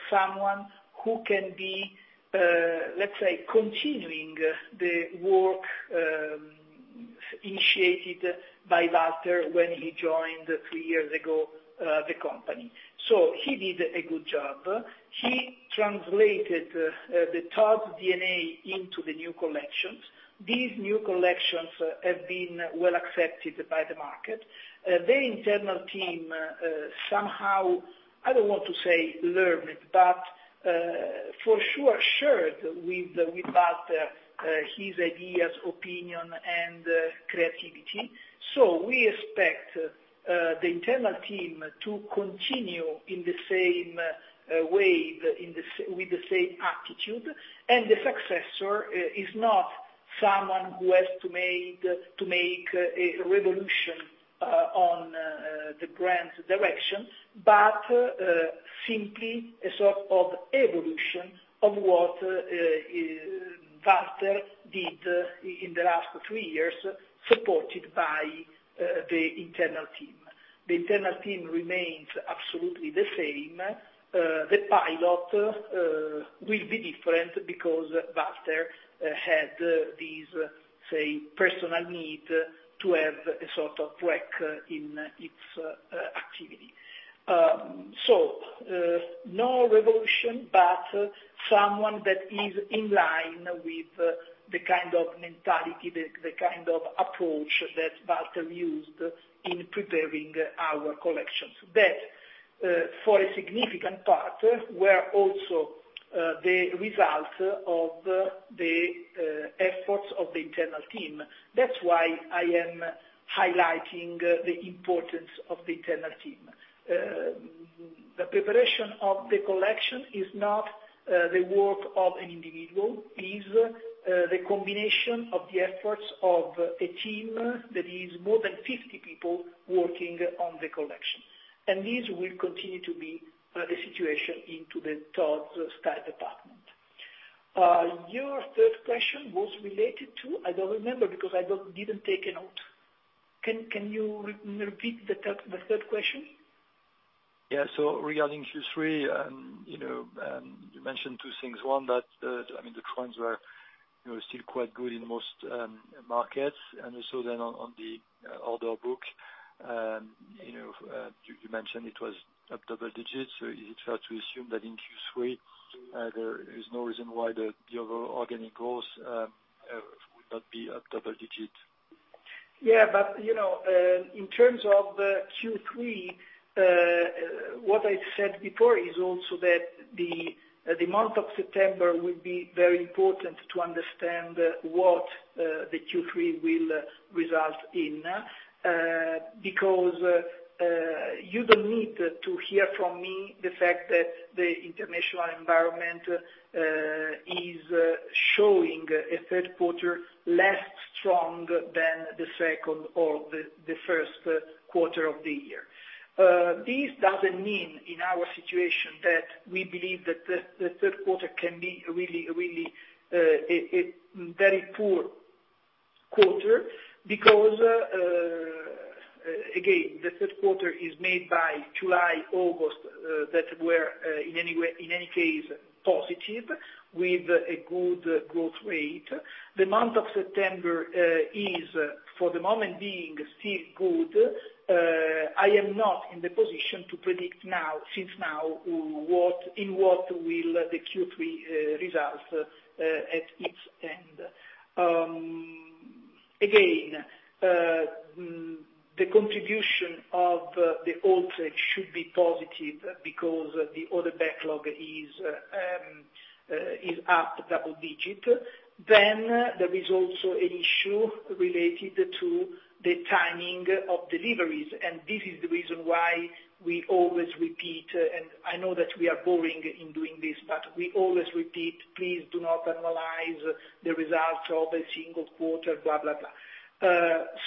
someone who can be, let's say, continuing the work initiated by Walter when he joined three years ago, the company. So he did a good job. He translated the Tod's DNA into the new collections. These new collections have been well accepted by the market. The internal team somehow, I don't want to say learned, but for sure, shared with Walter his ideas, opinion, and creativity. So we expect the internal team to continue in the same way with the same attitude, and the successor is not someone who has to make a revolution on the brand's direction, but simply a sort of evolution of what Walter did in the last three years, supported by the internal team. The internal team remains absolutely the same. The pilot will be different because Walter had this, say, personal need to have a sort of break in its activity. So no revolution, but someone that is in line with the kind of mentality, the kind of approach that Walter used in preparing our collections, that for a significant part were also the result of the efforts of the internal team. That's why I am highlighting the importance of the internal team. The preparation of the collection is not the work of an individual. It is the combination of the efforts of a team that is more than 50 people working on the collection, and this will continue to be the situation into the Tod's style department. Your third question was related to? I don't remember because I don't, didn't take a note. Can you repeat the third question? Yeah. So regarding Q3, you know, you mentioned two things. One, that, I mean, the trends were, you know, still quite good in most markets, and also then on the order book, you know, you mentioned it was up double digits, so is it fair to assume that in Q3, there is no reason why the overall organic growth would not be up double digit? Yeah, but, you know, in terms of Q3, what I said before is also that the month of September will be very important to understand what the Q3 will result in. Because you don't need to hear from me the fact that the international environment is showing a third quarter less strong than the second or the first quarter of the year. This doesn't mean, in our situation, that we believe that the third quarter can be really, really a very poor quarter, because again, the third quarter is made by July, August that were in any way - in any case, positive, with a good growth rate. The month of September is, for the moment being, still good. I am not in the position to predict now, since now, what the Q3 results will be at its end. Again, the contribution of the outlet should be positive because the order backlog is up double digit. Then there is also an issue related to the timing of deliveries, and this is the reason why we always repeat, and I know that we are boring in doing this, but we always repeat: please do not analyze the results of a single quarter, blah, blah, blah.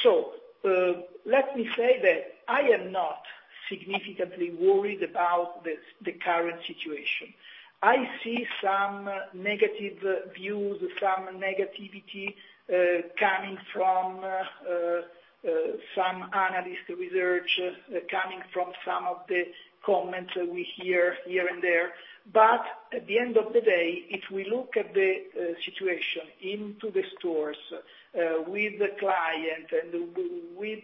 So, let me say that I am not significantly worried about the current situation. I see some negative views, some negativity, coming from some analyst research, coming from some of the comments we hear here and there. At the end of the day, if we look at the situation into the stores, with the client and with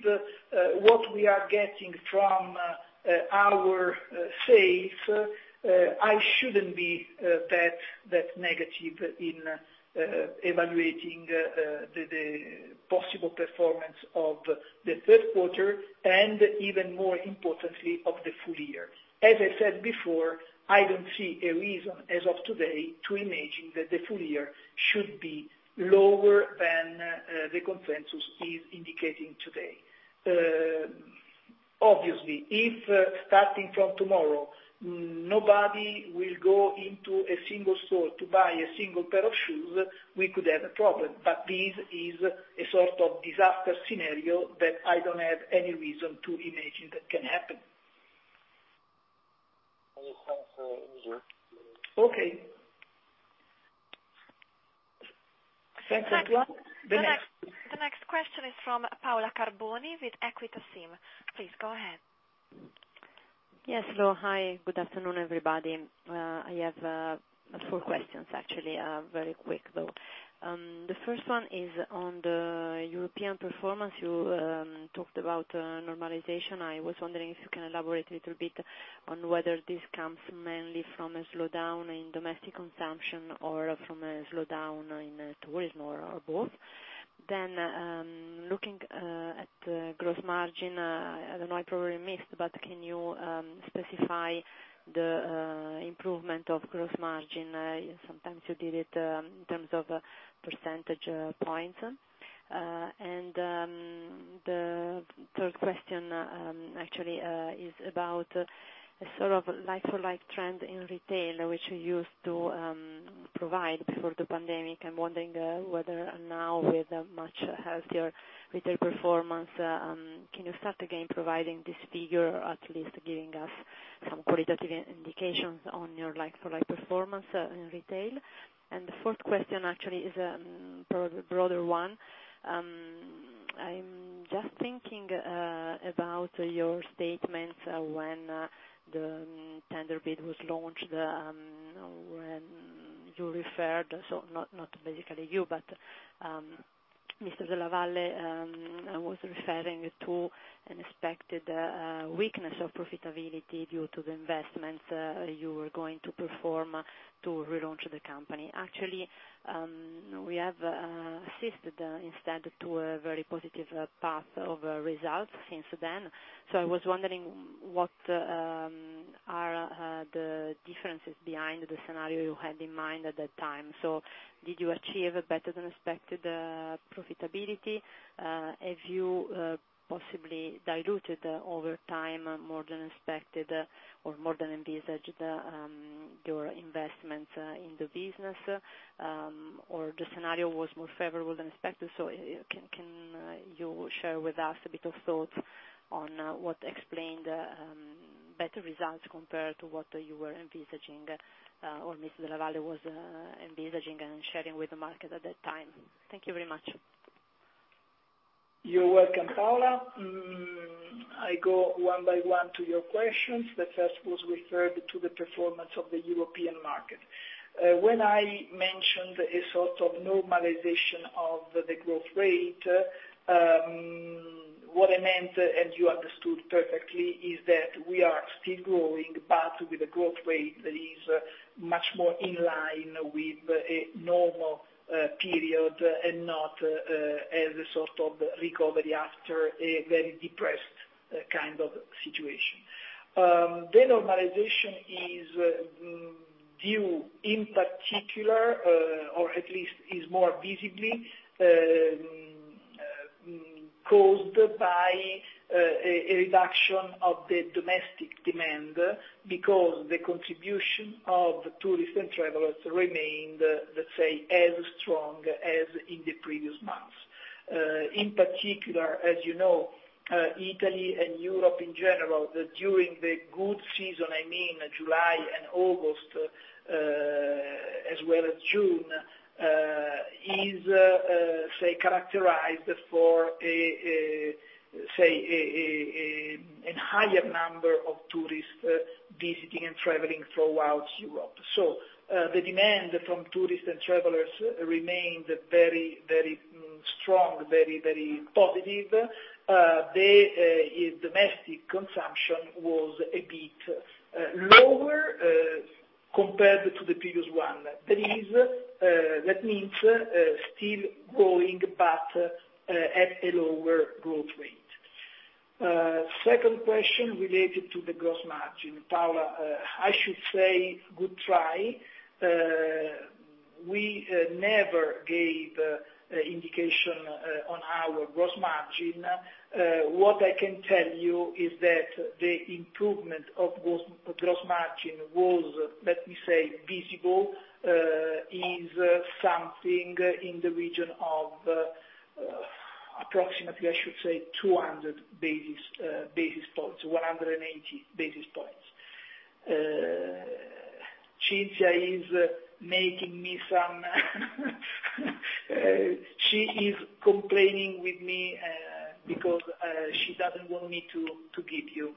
what we are getting from our sales, I shouldn't be that negative in evaluating the possible performance of the third quarter and even more importantly, of the full year. As I said before, I don't see a reason as of today to imagine that the full year should be lower than the consensus is indicating today. Obviously, if starting from tomorrow, nobody will go into a single store to buy a single pair of shoes, we could have a problem, but this is a sort of disaster scenario that I don't have any reason to imagine that can happen. Okay. Thanks, everyone. The next question is from Paola Carboni with Equita SIM. Please go ahead. Yes, hello. Hi, good afternoon, everybody. I have four questions, actually, very quick, though. The first one is on the European performance. You talked about normalization. I was wondering if you can elaborate a little bit on whether this comes mainly from a slowdown in domestic consumption or from a slowdown in tourism or, or both. Then, looking at the gross margin, I don't know, I probably missed, but can you specify the improvement of gross margin? Sometimes you did it in terms of percentage points. And the third question, actually, is about a sort of like-for-like trend in retail, which you used to provide before the pandemic. I'm wondering whether now, with a much healthier retail performance, can you start again providing this figure, or at least giving us some qualitative indications on your like-for-like performance in retail? And the fourth question actually is probably a broader one. I'm just thinking about your statement when the tender bid was launched when you referred, so not not basically you, but Mr. Della Valle was referring to an expected weakness of profitability due to the investments you were going to perform to relaunch the company. Actually, we have assisted instead to a very positive path of results since then. So I was wondering, what are the differences behind the scenario you had in mind at that time? So did you achieve a better-than-expected profitability? Have you possibly diluted over time, more than expected or more than envisaged, your investment in the business, or the scenario was more favorable than expected? So can you share with us a bit of thoughts on what explained better results compared to what you were envisaging, or Mr. Della Valle was envisaging and sharing with the market at that time? Thank you very much. You're welcome, Paola. I go one by one to your questions. The first was referred to the performance of the European market. When I mentioned a sort of normalization of the growth rate, what I meant, and you understood perfectly, is that we are still growing, but with a growth rate that is much more in line with a normal period and not as a sort of recovery after a very depressed kind of situation. The normalization is due in particular, or at least is more visibly caused by a reduction of the domestic demand, because the contribution of tourists and travelers remained, let's say, as strong as in the previous months. In particular, as you know, Italy and Europe in general, during the good season, I mean July and August, as well as June, is characterized for a higher number of tourists visiting and traveling throughout Europe. So, the demand from tourists and travelers remained very, very strong, very, very positive. The domestic consumption was a bit lower compared to the previous one. That means still growing, but at a lower growth rate. Second question related to the gross margin, Paola, I should say good try. We never gave indication on our gross margin. What I can tell you is that the improvement of gross, gross margin was, let me say, visible, is something in the region of, approximately, I should say, 200 basis points, 180 basis points. Cinzia is making me some, she is complaining with me, because she doesn't want me to, to give you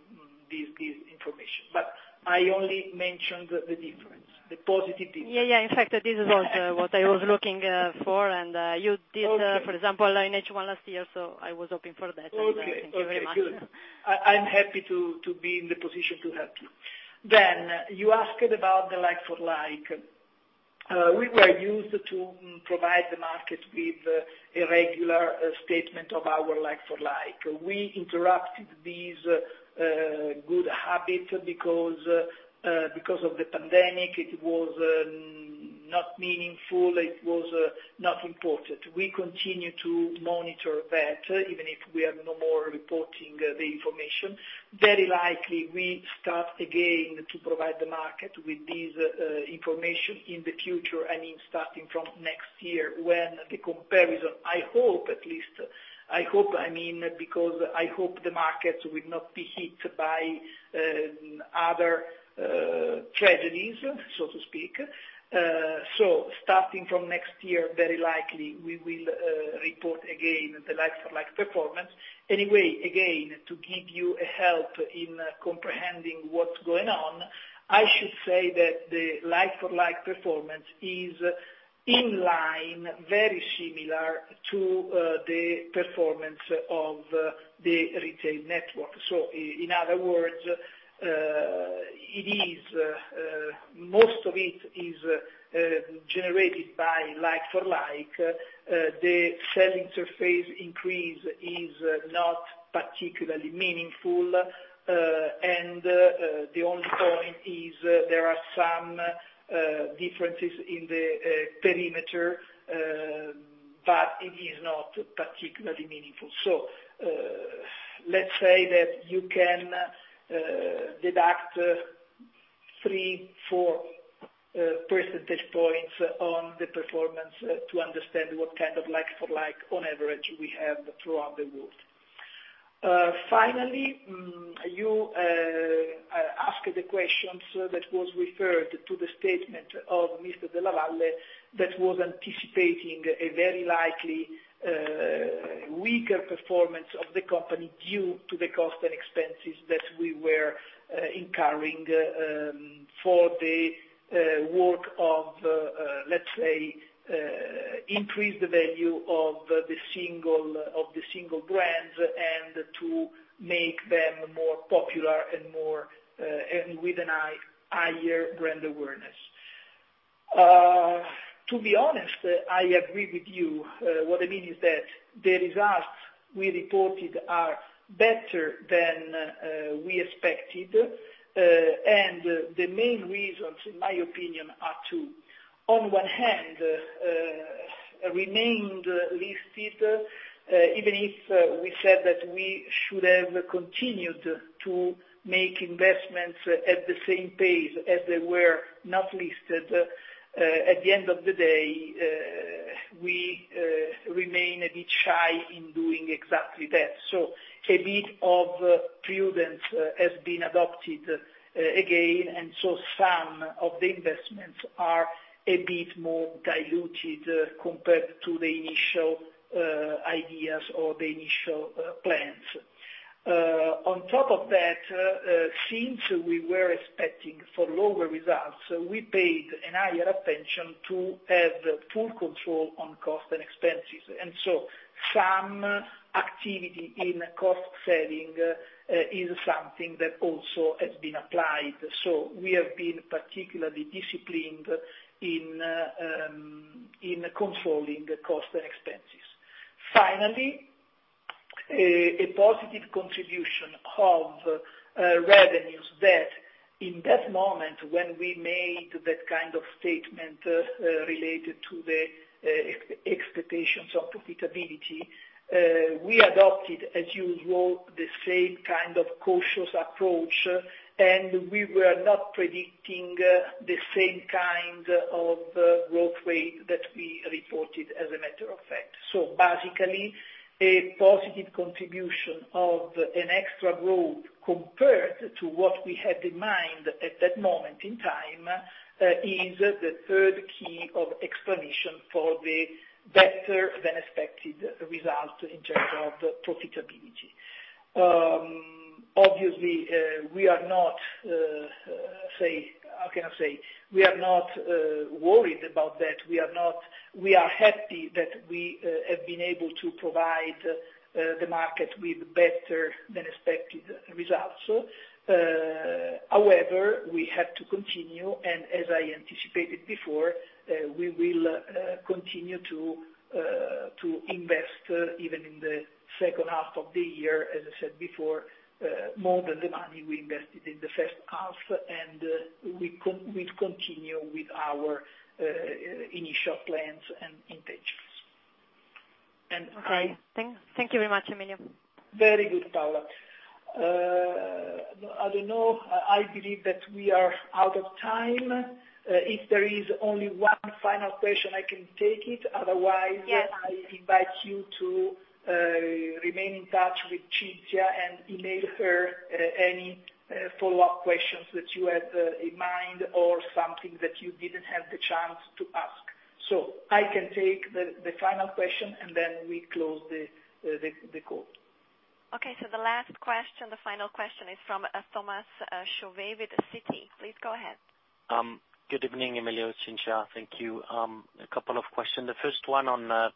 this, this information, but I only mentioned the, the difference, the positive difference. Yeah, yeah. In fact, this is also what I was looking for, and- Okay... you did, for example, in H1 last year, so I was hoping for that. Okay. Thank you very much. Okay, good. I'm happy to be in the position to help you. Then, you asked about the like-for-like. We were used to provide the market with a regular statement of our like-for-like. We interrupted this good habit because of the pandemic, it was not meaningful, it was not important. We continue to monitor that, even if we are no more reporting the information. Very likely, we start again to provide the market with this information in the future, and starting from next year, when the comparison, I hope, at least, I hope, I mean, because I hope the markets will not be hit by other tragedies, so to speak. So starting from next year, very likely we will report again the like-for-like performance. Anyway, again, to give you a help in comprehending what's going on, I should say that the like-for-like performance is in line, very similar to the performance of the retail network. So in other words, it is, most of it is generated by like-for-like. The selling surface increase is not particularly meaningful, and the only point is there are some differences in the perimeter, but it is not particularly meaningful. So, let's say that you can deduct 3-4 percentage points on the performance to understand what kind of like-for-like on average we have throughout the world. Finally, you asked the question, so that was referred to the statement of Mr. Della Valle, that was anticipating a very likely weaker performance of the company, due to the cost and expenses that we were incurring for the work of, let's say, increase the value of the single, of the single brands, and to make them more popular and more and with a higher brand awareness. To be honest, I agree with you. What I mean is that the results we reported are better than we expected, and the main reasons, in my opinion, are two: on one hand, remained listed, even if we said that we should have continued to make investments at the same pace as they were not listed, at the end of the day, we remain a bit shy in doing exactly that. So a bit of prudence has been adopted, again, and so some of the investments are a bit more diluted, compared to the initial ideas or the initial plans. On top of that, since we were expecting for lower results, we paid a higher attention to have full control on cost and expenses. And so some activity in cost saving is something that also has been applied. So we have been particularly disciplined in in controlling the cost and expenses. Finally, a positive contribution of revenues that in that moment, when we made that kind of statement, related to the expectations of profitability, we adopted, as usual, the same kind of cautious approach, and we were not predicting the same kind of growth rate that we reported, as a matter of fact. So basically, a positive contribution of an extra growth compared to what we had in mind at that moment in time, is the third key of explanation for the better than expected result in terms of profitability. Obviously, we are not, say, how can I say? We are not worried about that. We are not. We are happy that we have been able to provide the market with better than expected results. So, however, we have to continue, and as I anticipated before, we will continue to to invest even in the second half of the year, as I said before, more than the money we invested in the first half, and, we continue with our initial plans and intentions. And I- Okay. Thank you very much, Emilio. Very good, Paola. I don't know, I believe that we are out of time. If there is only one final question, I can take it, otherwise- Yes. I invite you to remain in touch with Cinzia, and email her any follow-up questions that you had in mind or something that you didn't have the chance to ask. So I can take the final question, and then we close the call. Okay, so the last question, the final question is from Thomas Chauvet with Citi. Please go ahead. Good evening, Emilio and Cinzia. Thank you. A couple of questions. The first one on the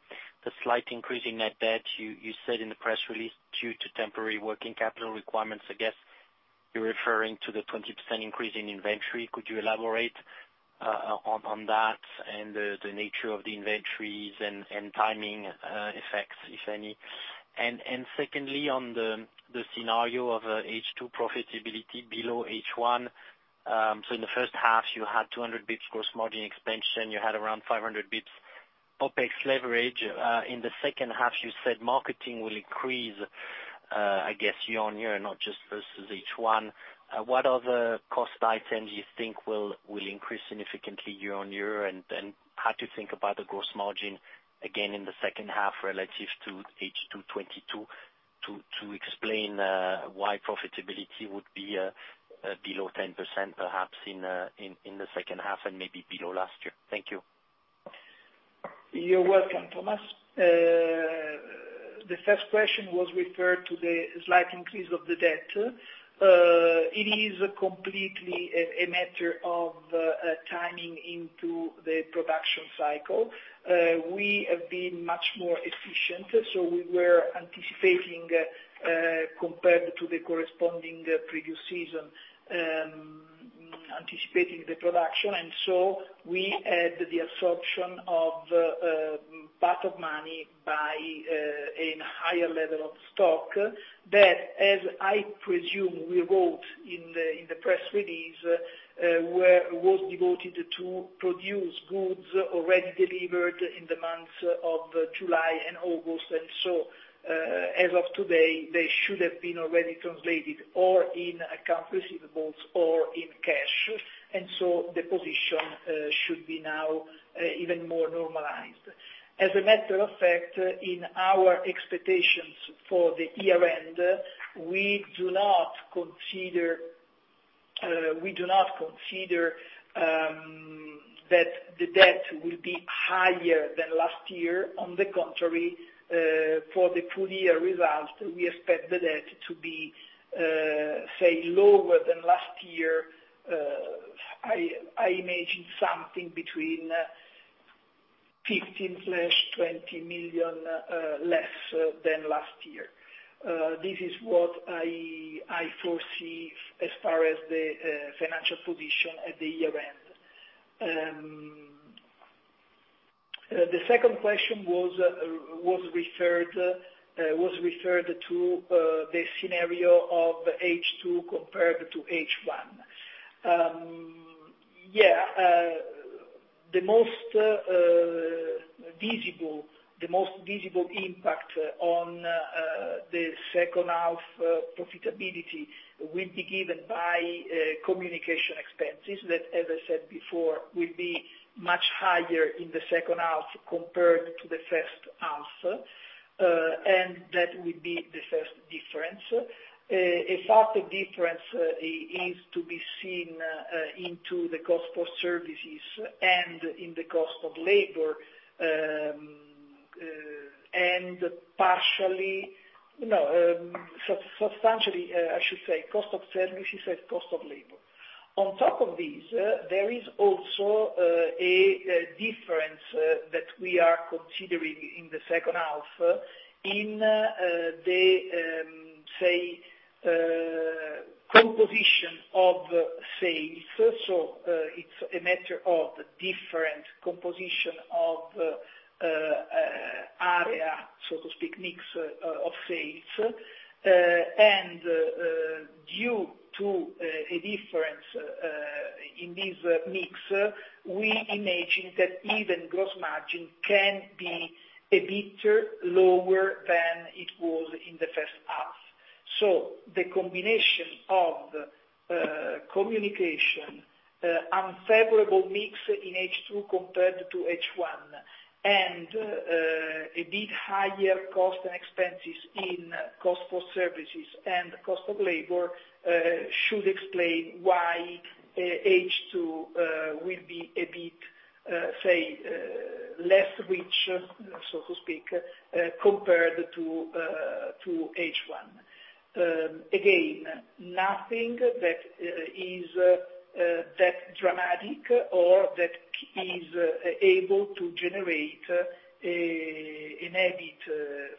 slight increase in net debt. You said in the press release, due to temporary working capital requirements. I guess you're referring to the 20% increase in inventory. Could you elaborate on that and the nature of the inventories and timing effects, if any? Secondly, on the scenario of H2 profitability below H1, so in the first half, you had 200 basis points gross margin expansion, you had around 500 basis points OpEx leverage. In the second half, you said marketing will increase, I guess year on year, not just versus H1. What other cost items you think will increase significantly year-over-year, and how to think about the gross margin again in the second half relative to H2 2022, to explain why profitability would be below 10%, perhaps in the second half and maybe below last year? Thank you. You're welcome, Thomas. The first question was referred to the slight increase of the debt. It is completely a matter of timing into the production cycle. We have been much more efficient, so we were anticipating compared to the corresponding previous season, anticipating the production, and so we had the absorption of part of money by in higher level of stock, that, as I presume we wrote in the press release, was devoted to produce goods already delivered in the months of July and August. And so, as of today, they should have been already translated or in account receivables or in cash. And so the position should be now even more normalized. As a matter of fact, in our expectations for the year-end, we do not consider, we do not consider, that the debt will be higher than last year. On the contrary, for the full year results, we expect the debt to be, say, lower than last year. I, I imagine something between 15 million-20 million less than last year. This is what I, I foresee as far as the, financial position at the year-end. The second question was, was referred, was referred to, the scenario of H2 compared to H1. Yeah, the most visible impact on the second half profitability will be given by communication expenses, that, as I said before, will be much higher in the second half compared to the first half, and that will be the first difference. A further difference is to be seen into the cost for services and in the cost of labor and partially, no, substantially, I should say, cost of services and cost of labor. On top of this, there is also a difference that we are considering in the second half, in the, say, composition of sales. So, it's a matter of different composition of area, so to speak, mix of sales. And due to a difference in this mix, we imagine that even gross margin can be a bit lower than it was in the first half. So the combination of currency, unfavorable mix in H2 compared to H1, and a bit higher cost and expenses in cost for services and cost of labor should explain why H2 will be a bit, say, less rich, so to speak, compared to H1. Again, nothing that is that dramatic or that is able to generate an EBIT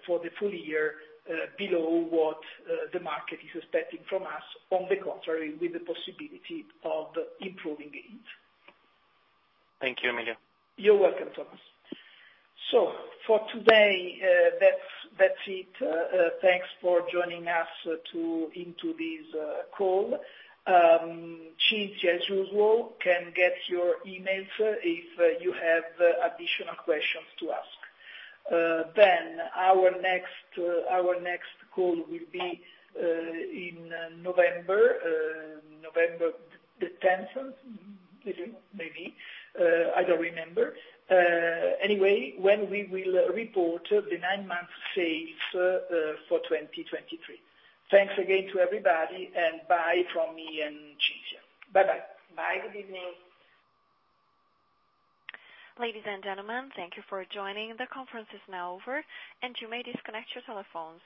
for the full year below what the market is expecting from us, on the contrary, with the possibility of improving it. Thank you, Emilio. You're welcome, Thomas. So for today, that's, that's it. Thanks for joining us into this call. Cinzia, as usual, can get your emails if you have additional questions to ask. Then our next, our next call will be in November, November the tenth, maybe. I don't remember. Anyway, when we will report the nine-month sales for 2023. Thanks again to everybody, and bye from me and Cinzia. Bye-bye. Bye. Good evening. Ladies and gentlemen, thank you for joining. The conference is now over, and you may disconnect your telephones.